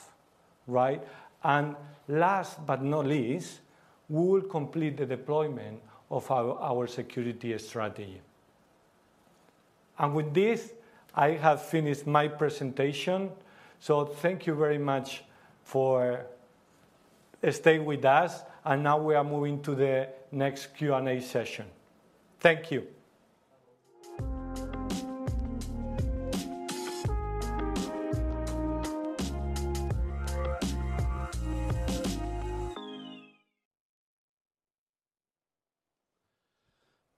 right? And last but not least, we will complete the deployment of our security strategy. And with this, I have finished my presentation. So thank you very much for staying with us. And now we are moving to the next Q&A session. Thank you.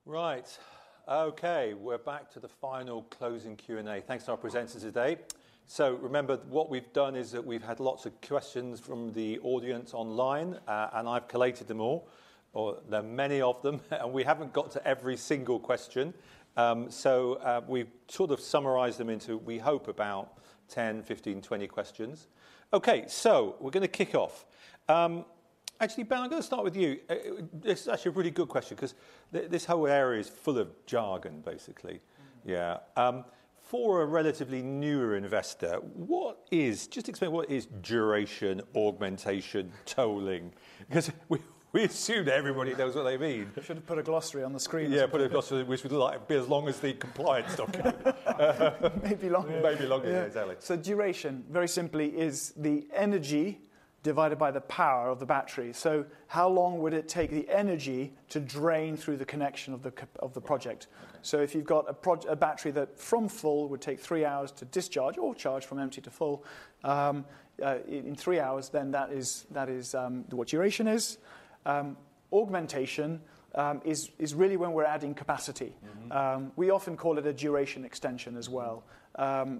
Right. Okay. We're back to the final closing Q&A. Thanks to our presenters today. So remember what we've done is that we've had lots of questions from the audience online, and I've collated them all, or there are many of them, and we haven't got to every single question. So, we've sort of summarized them into, we hope, about 10, 15, 20 questions. Okay. So we're gonna kick off. Actually, Ben, I'm gonna start with you. It's actually a really good question 'cause this whole area is full of jargon, basically. Yeah. For a relatively newer investor, what is—just explain what is duration augmentation tolling? 'Cause we assumed everybody knows what they mean. We should have put a glossary on the screen. Yeah. Put a glossary which would be as long as the compliance document. Maybe longer. Yeah. Exactly. So duration, very simply, is the energy divided by the power of the battery. So how long would it take the energy to drain through the connection of the project? So if you've got a project, a battery that from full would take three hours to discharge or charge from empty to full in three hours, then that is what duration is. Augmentation is really when we're adding capacity. Mm-hmm. We often call it a duration extension as well.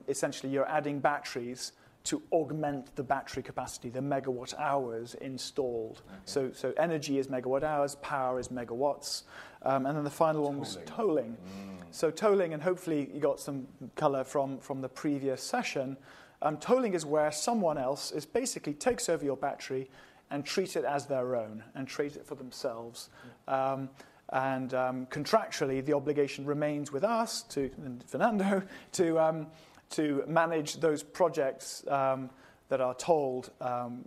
Essentially, you're adding batteries to augment the battery capacity, the megawatt hours installed. Okay. So energy is megawatt hours, power is megawatts, and then the final one was tolling. Tolling, and hopefully you got some color from the previous session. Tolling is where someone else is basically takes over your battery and treats it as their own and treats it for themselves, and contractually the obligation remains with us to, and Fernando, to manage those projects that are tolled,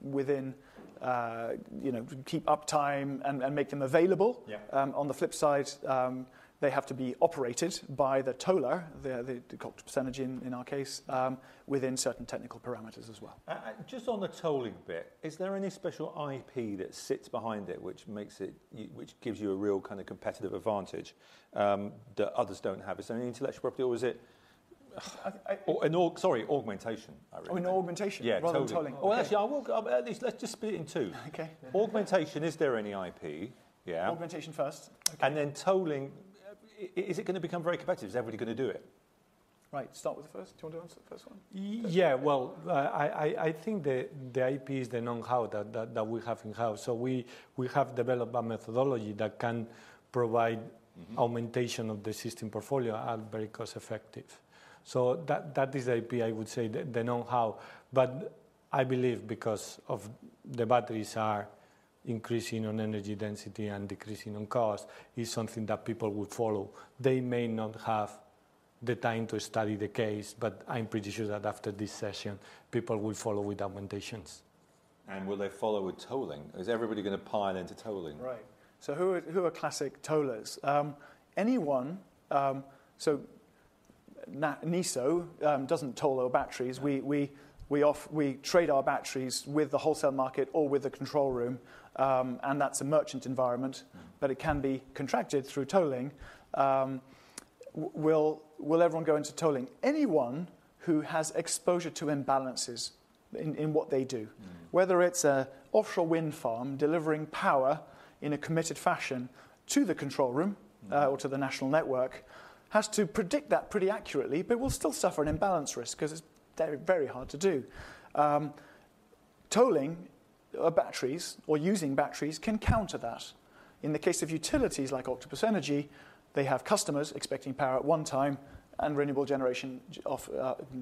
within you know uptime and make them available. Yeah. On the flip side, they have to be operated by the toller, the full percentage in our case, within certain technical parameters as well. Just on the tolling bit, is there any special IP that sits behind it which makes it which gives you a real kind of competitive advantage that others don't have? Is there any intellectual property or is it augmentation? Sorry, in augmentation. I reckon. Oh, in augmentation. Yeah. Tolling. Well, actually, at least let's just split it in two. Okay. Augmentation, is there any IP? Yeah. Augmentation first. Okay, and then tolling, is it gonna become very competitive? Is everybody gonna do it? Right. Start with the first. Do you wanna do the first one? Yeah, well, I think the IP is the know-how that we have in-house. So we have developed a methodology that can provide augmentation of the system portfolio at very cost-effective. So that is the IP, I would say, the know-how, but I believe because of the batteries are increasing on energy density and decreasing on cost is something that people will follow. They may not have the time to study the case, but I'm pretty sure that after this session, people will follow with augmentations. Will they follow with tolling? Is everybody gonna pile into tolling? Right. So who are classic tollers? Anyone, so NESO doesn't toll our batteries. We offer, we trade our batteries with the wholesale market or with the control room, and that's a merchant environment, but it can be contracted through tolling. Will everyone go into tolling? Anyone who has exposure to imbalances in what they do, whether it's an offshore wind farm delivering power in a committed fashion to the control room, or to the national network, has to predict that pretty accurately, but will still suffer an imbalance risk 'cause it's very, very hard to do. Tolling batteries or using batteries can counter that. In the case of utilities like Octopus Energy, they have customers expecting power at one time and renewable generation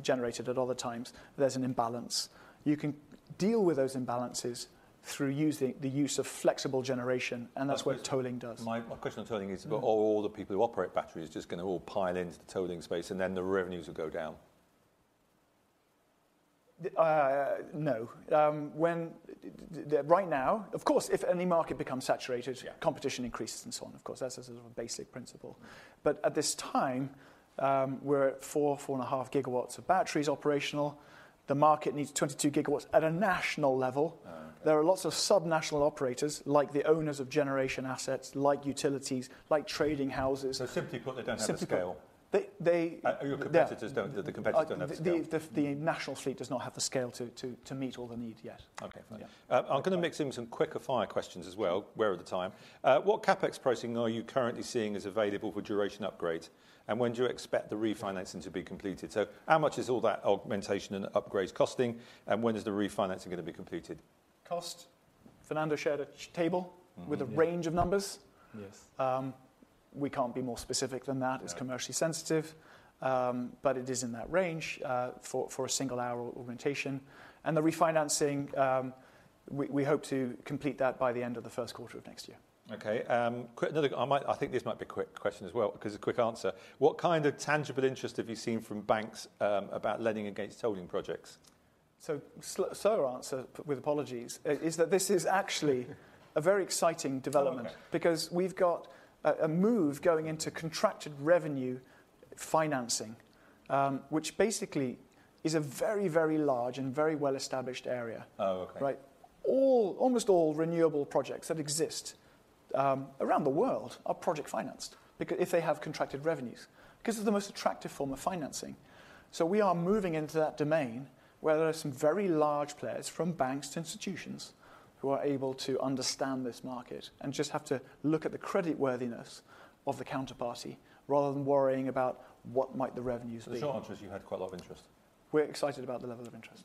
generated at other times. There's an imbalance. You can deal with those imbalances through using the use of flexible generation, and that's what tolling does. My question on tolling is, but all the people who operate batteries just gonna all pile into the tolling space and then the revenues will go down? No. Right now, of course, if any market becomes saturated, competition increases and so on. Of course, that's a sort of a basic principle, but at this time, we're at four, four and a half gigawatts of batteries operational. The market needs 22 gigawatts at a national level. There are lots of sub-national operators like the owners of generation assets, like utilities, like trading houses. So simply put, they don't have the scale. They. Your competitors don't have the scale. The national fleet does not have the scale to meet all the need yet. Okay. Fine. I'm gonna mix in some quick fire questions as well. We're at the time. What CapEx pricing are you currently seeing as available for duration upgrades? And when do you expect the refinancing to be completed? So how much is all that augmentation and upgrades costing? And when is the refinancing gonna be completed? Cost. Fernando shared a table with a range of numbers. Yes. We can't be more specific than that. It's commercially sensitive. But it is in that range, for a single hour augmentation. And the refinancing, we hope to complete that by the end of the first quarter of next year. Okay. Quick, another one. I might, I think this might be a quick question as well 'cause a quick answer. What kind of tangible interest have you seen from banks about lending against tolling projects? So slow answer with apologies is that this is actually a very exciting development because we've got a move going into contracted revenue financing, which basically is a very, very large and very well-established area. Oh, okay. Right. Almost all renewable projects that exist around the world are project financed because if they have contracted revenues, 'cause it's the most attractive form of financing. So we are moving into that domain where there are some very large players from banks to institutions who are able to understand this market and just have to look at the creditworthiness of the counterparty rather than worrying about what might the revenues be. The short answer is you had quite a lot of interest. We're excited about the level of interest.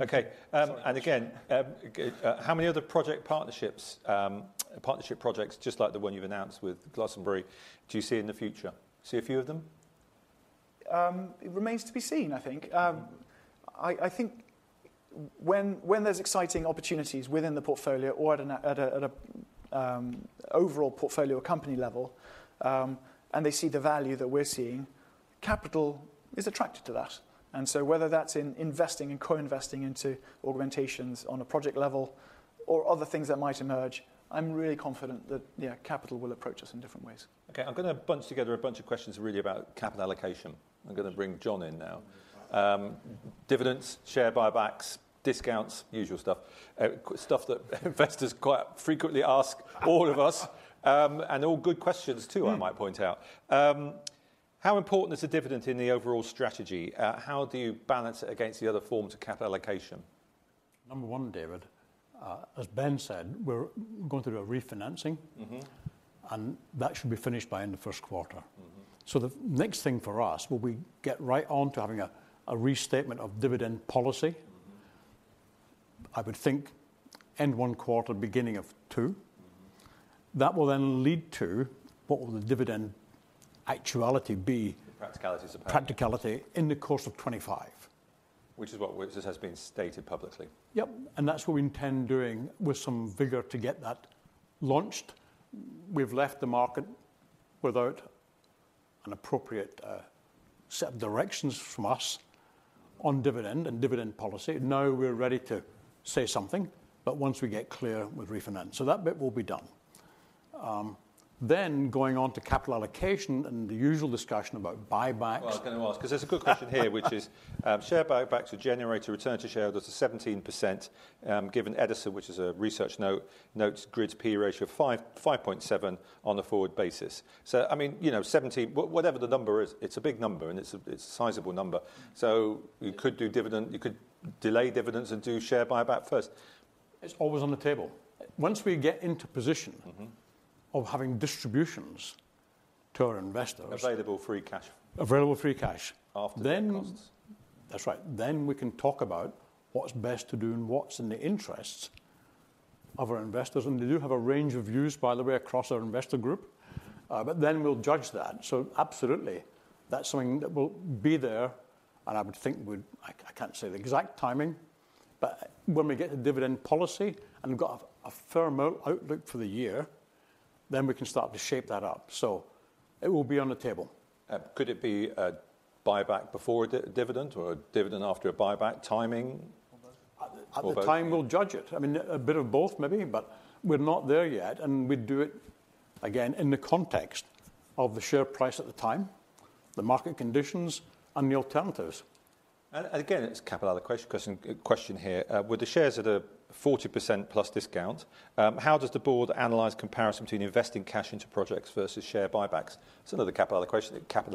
Okay. And again, how many other project partnerships just like the one you've announced with Glastonbury do you see in the future? See a few of them? It remains to be seen, I think. I think when there's exciting opportunities within the portfolio or at an overall portfolio company level, and they see the value that we're seeing, capital is attracted to that. And so whether that's in investing and co-investing into augmentations on a project level or other things that might emerge, I'm really confident that, yeah, capital will approach us in different ways. Okay. I'm gonna bunch together a bunch of questions really about capital allocation. I'm gonna bring John in now. Dividends, share buybacks, discounts, usual stuff. Stuff that investors quite frequently ask all of us, and all good questions too, I might point out. How important is a dividend in the overall strategy? How do you balance it against the other forms of capital allocation? Number one, David, as Ben said, we're going through a refinancing. And that should be finished by in the first quarter. So the next thing for us will be get right onto having a restatement of dividend policy. I would think end one quarter, beginning of two. That will then lead to what will the dividend actuality be? Practicality, suppose. Practicality in the course of 2025. Which is what this has been stated publicly. And that's what we intend doing with some vigor to get that launched. We've left the market without an appropriate set of directions from us on dividend and dividend policy. No, we are ready to say something, but once we get clear with refinance, so that bit will be done. Then going on to capital allocation and the usual discussion about buybacks. Well, can I ask? 'Cause there's a good question here, which is, share buybacks would generate a return to shareholders of 17%, given Edison, which is a research note, notes Grid's PE ratio of 5.7 on a forward basis. So, I mean, you know, 17, what, whatever the number is, it's a big number and it's a, it's a sizable number. So you could do dividend, you could delay dividends and do share buyback first. It's always on the table. Once we get into position. Mm-hmm. Of having distributions to our investors. Available free cash. Available free cash. After the costs. Then, that's right. Then we can talk about what's best to do and what's in the interests of our investors, and they do have a range of views, by the way, across our investor group, but then we'll judge that, so absolutely, that's something that will be there, and I would think we'd, I can't say the exact timing, but when we get the dividend policy and we've got a firm outlook for the year, then we can start to shape that up, so it will be on the table. Could it be a buyback before a dividend or a dividend after a buyback timing? Both. At the time, we'll judge it. I mean, a bit of both maybe, but we're not there yet, and we'd do it again in the context of the share price at the time, the market conditions, and the alternatives. And again, it's a capital allocation question here. With the shares at a 40% plus discount, how does the board analyze the comparison between investing cash into projects versus share buybacks? It's another capital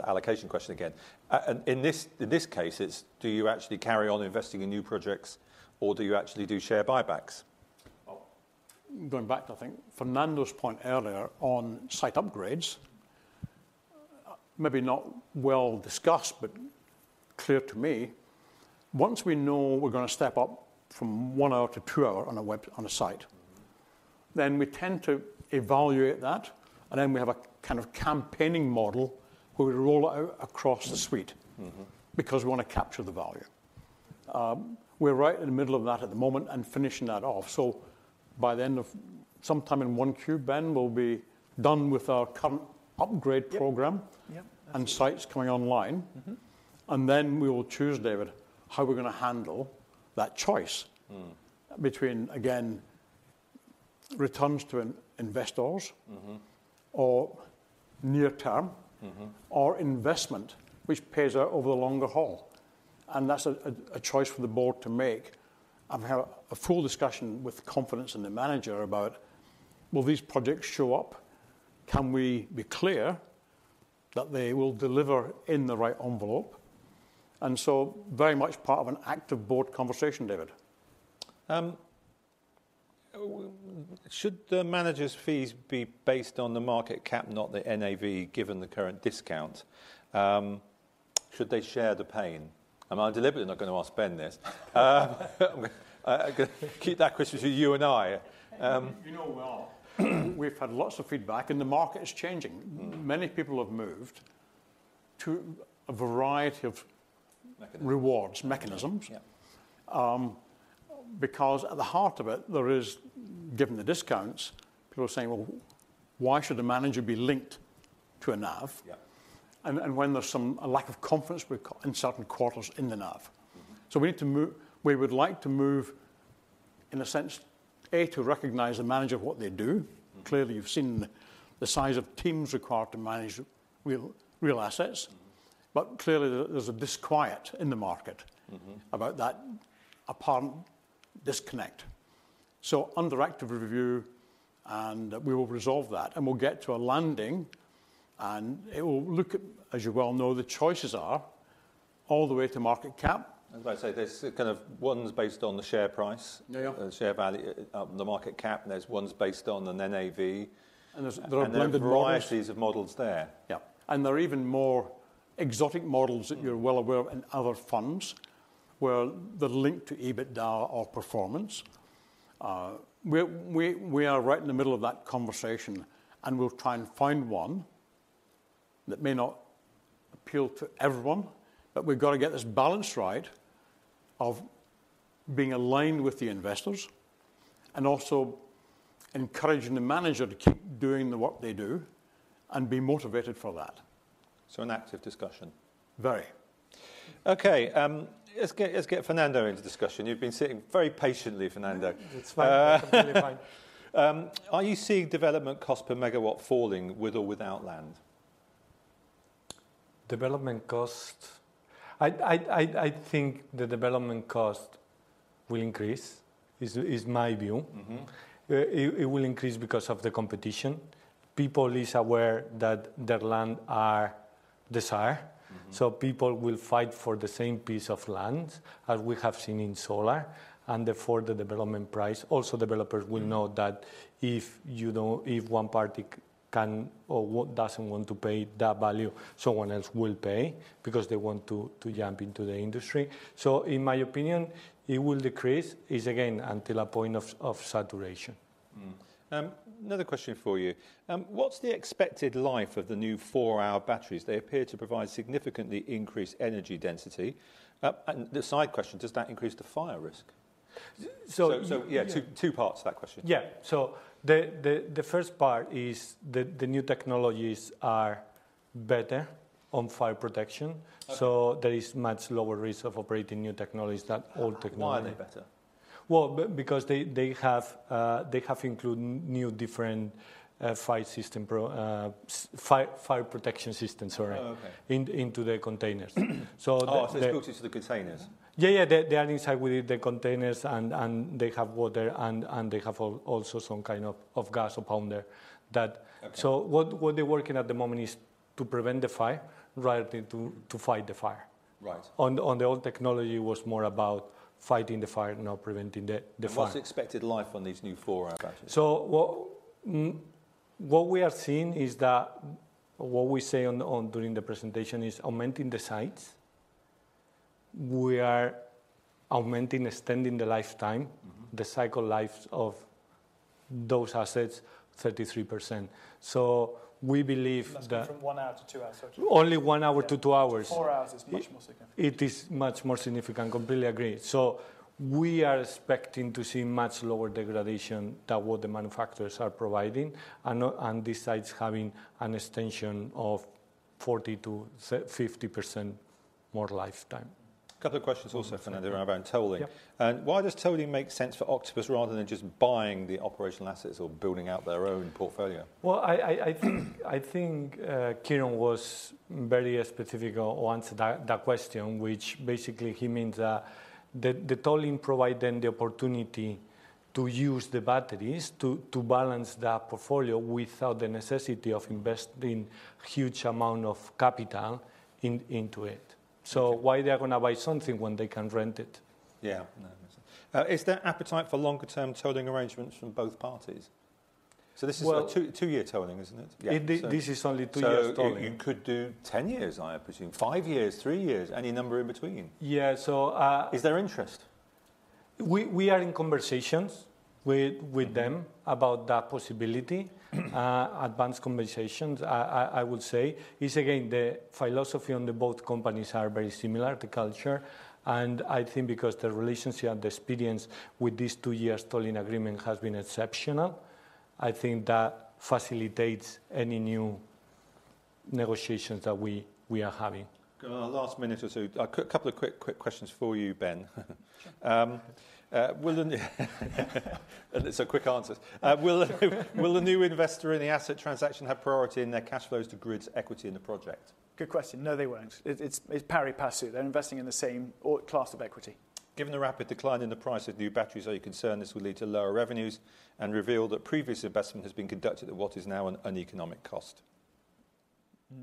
allocation question again. And in this case, it's do you actually carry on investing in new projects or do you actually do share buybacks? Well, going back to I think Fernando's point earlier on site upgrades, maybe not well discussed, but clear to me, once we know we're gonna step up from one-hour to two-hour on a BESS, on a site, then we tend to evaluate that. And then we have a kind of cascading model where we roll out across the fleet. Mm-hmm. Because we wanna capture the value. We are right in the middle of that at the moment and finishing that off. So by the end of sometime in Q1, Ben, we'll be done with our current upgrade program. Yep. And sites coming online. Mm-hmm. And then we will choose, David, how we're gonna handle that choice. Mm-hmm. Between, again, returns to investors. Mm-hmm. Or near term. Mm-hmm. Or investment, which pays out over the longer haul. And that's a choice for the board to make. I've had a full discussion with confidence in the manager about, will these projects show up? Can we be clear that they will deliver in the right envelope? And so very much part of an active board conversation, David. Should the manager's fees be based on the market cap, not the NAV, given the current discount? Should they share the pain? I mean, I'm deliberately not gonna ask Ben this. I'm gonna keep that question to you and I. You know we are. We've had lots of feedback and the market is changing. Many people have moved to a variety of rewards mechanisms because at the heart of it, there is, given the discounts, people are saying, well, why should the manager be linked to a NAV? And when there's some lack of confidence in certain quarters in the NAV. So we need to move, we would like to move in a sense, A, to recognize the manager of what they do. Clearly, you've seen the size of teams required to manage real assets. But clearly there's a disquiet in the market about that apparent disconnect. So under active review, and we will resolve that and we'll get to a landing and it will look at, as you well know, the choices are all the way to market cap. As I say, there's kind of ones based on the share price. Yeah. Yeah. The share value, the market cap, and there's ones based on an NAV. And there are limited varieties of models there. Yep. And there are even more exotic models that you're well aware of in other funds where they're linked to EBITDA or performance. We are right in the middle of that conversation and we'll try and find one that may not appeal to everyone, but we've gotta get this balance right of being aligned with the investors and also encouraging the manager to keep doing the work they do and be motivated for that. So an active discussion. Very. Okay. Let's get Fernando into discussion. You've been sitting very patiently, Fernando. It's fine. Completely fine. Are you seeing development cost per megawatt falling with or without land? Development cost, I think the development cost will increase. It's my view. It will increase because of the competition. People are aware that their land is desirable. So people will fight for the same piece of land as we have seen in solar. And therefore, the development price, also developers will know that if you don't, if one party can't or doesn't want to pay that value, someone else will pay because they want to jump into the industry. So in my opinion, it will decrease. It's again, until a point of saturation. Another question for you. What's the expected life of the new four-hour batteries? They appear to provide significantly increased energy density. And the side question, does that increase the fire risk? So yeah, two parts of that question. Yeah. So the first part is the new technologies are better on fire protection. So there is much lower risk of operating new technologies than old technologies. Why are they better? Well, because they have included new different fire protection systems, sorry. Oh, okay. Into the containers. Oh, they're hooked into the containers. Yeah. Yeah. They are inside with the containers and they have water and they have also some kind of gas or powder there. That. Okay. So what they're working at the moment is to prevent the fire rather than to fight the fire. Right. On the old technology was more about fighting the fire, not preventing the fire. What's the expected life on these new four-hour batteries? So what we are seeing is that what we say on during the presentation is augmenting the sites. We are augmenting, extending the lifetime. Mm-hmm. The cycle life of those assets, 33%. So we believe that. From one hour to two hours, sorry. Only one hour to two hours. Four hours is much more significant. It is much more significant. Completely agree. So we are expecting to see much lower degradation than what the manufacturers are providing. And these sites having an extension of 40-50% more lifetime. Couple of questions also, Fernando, around tolling. Yep. And why does tolling make sense for Octopus rather than just buying the operational assets or building out their own portfolio? I think Kieron was very specific on that question, which basically he means that the tolling provide them the opportunity to use the batteries to balance that portfolio without the necessity of investing huge amount of capital into it. So why they are gonna buy something when they can rent it? Yeah. No, that makes sense. Is there appetite for longer-term tolling arrangements from both parties? So this is for two-year tolling, isn't it? Yeah. This is only two-year tolling. You could do 10 years, I presume. Five years, three years, any number in between. Yeah. So, is there interest? We are in conversations with them about that possibility. Mm-hmm. Advanced conversations, I would say, is again, the philosophy on the both companies are very similar, the culture. I think because the relationship and the experience with these two-year tolling agreement has been exceptional, I think that facilitates any new negotiations that we are having. Gonna last a minute or two. A couple of quick questions for you, Ben. Sure. And it's a quick answer. Will the new investor in the asset transaction have priority in their cash flows to Grid's equity in the project? Good question. No, they won't. It's pari passu. They're investing in the same class of equity. Given the rapid decline in the price of new batteries, are you concerned this will lead to lower revenues and reveal that previous investment has been conducted at what is now an economic cost?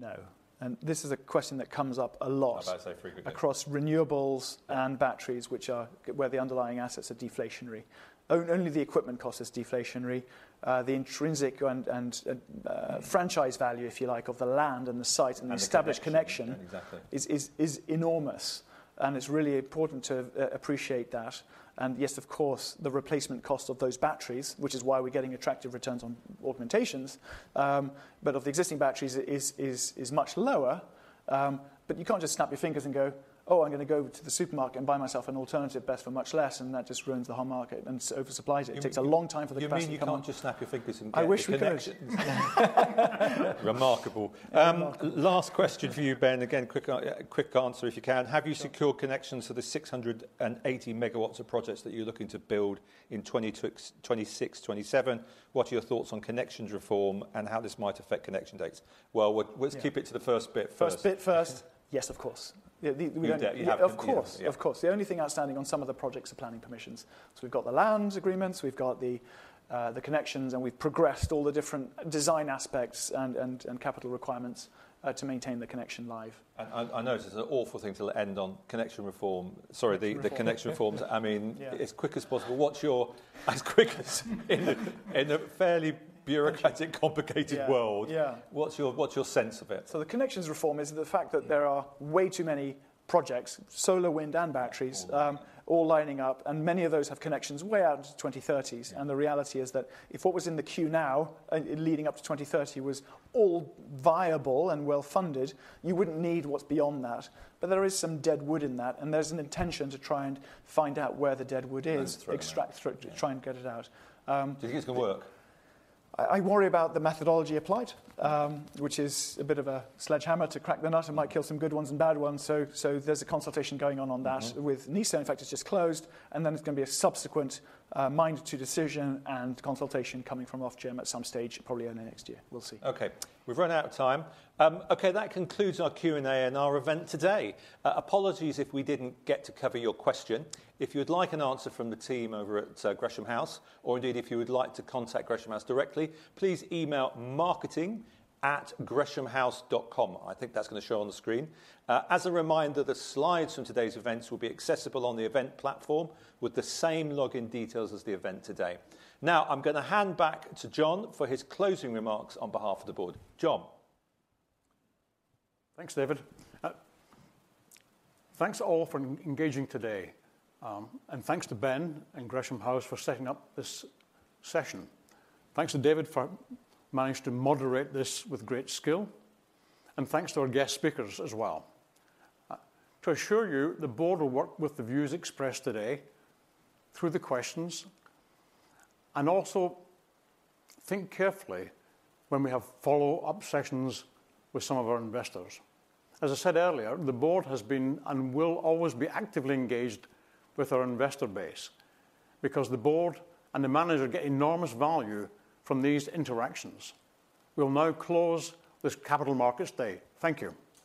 No. And this is a question that comes up a lot. How about I say frequently? Across renewables and batteries, which are where the underlying assets are deflationary. Only the equipment cost is deflationary. The intrinsic and franchise value, if you like, of the land and the site and the established connection. Exactly. Is enormous. And it's really important to appreciate that. And yes, of course, the replacement cost of those batteries, which is why we're getting attractive returns on augmentations, but of the existing batteries is much lower. But you can't just snap your fingers and go, oh, I'm gonna go to the supermarket and buy myself an alternative BESS for much less, and that just ruins the whole market and oversupplies it. It takes a long time for the capacity to come up. You mean you can't just snap your fingers and get a connection? I wish we could. Remarkable. Last question for you, Ben. Again, quick answer if you can. Have you secured connections to the 680 megawatts of projects that you're looking to build in 2026, 2027? What are your thoughts on connections reform and how this might affect connection dates? Let's keep it to the first bit first. First bit first. Yes, of course. Yeah. Of course. The only thing outstanding on some of the projects are planning permissions. So we've got the land agreements, we've got the connections, and we've progressed all the different design aspects and capital requirements to maintain the connection live. And I know this is an awful thing to end on connection reform. Sorry, the connection reforms. I mean, as quick as possible. What's your as quick as in a fairly bureaucratic, complicated world? Yeah. Yeah. What's your, what's your sense of it? So the connections reform is the fact that there are way too many projects, solar, wind, and batteries, all lining up, and many of those have connections way out into the 2030s. And the reality is that if what was in the queue now, leading up to 2030 was all viable and well funded, you wouldn't need what's beyond that. But there is some dead wood in that, and there's an intention to try and find out where the dead wood is. That's right. Extract through, try and get it out. Do you think it's gonna work? I, I worry about the methodology applied, which is a bit of a sledgehammer to crack the nut. It might kill some good ones and bad ones. So, so there's a consultation going on on that with NESO. In fact, it's just closed. And then it's gonna be a subsequent minded decision and consultation coming from Ofgem at some stage, probably early next year. We'll see. Okay. We've run out of time. Okay. That concludes our Q&A and our event today. Apologies if we didn't get to cover your question. If you would like an answer from the team over at Gresham House, or indeed if you would like to contact Gresham House directly, please email marketing@greshamhouse.com. I think that's gonna show on the screen. As a reminder, the slides from today's events will be accessible on the event platform with the same login details as the event today. Now I'm gonna hand back to John for his closing remarks on behalf of the board. John. Thanks, David. Thanks all for engaging today. And thanks to Ben and Gresham House for setting up this session. Thanks to David for managing to moderate this with great skill, and thanks to our guest speakers as well. To assure you, the board will work with the views expressed today through the questions and also think carefully when we have follow-up sessions with some of our investors. As I said earlier, the board has been and will always be actively engaged with our investor base because the board and the manager get enormous value from these interactions. We'll now close this Capital Markets Day. Thank you.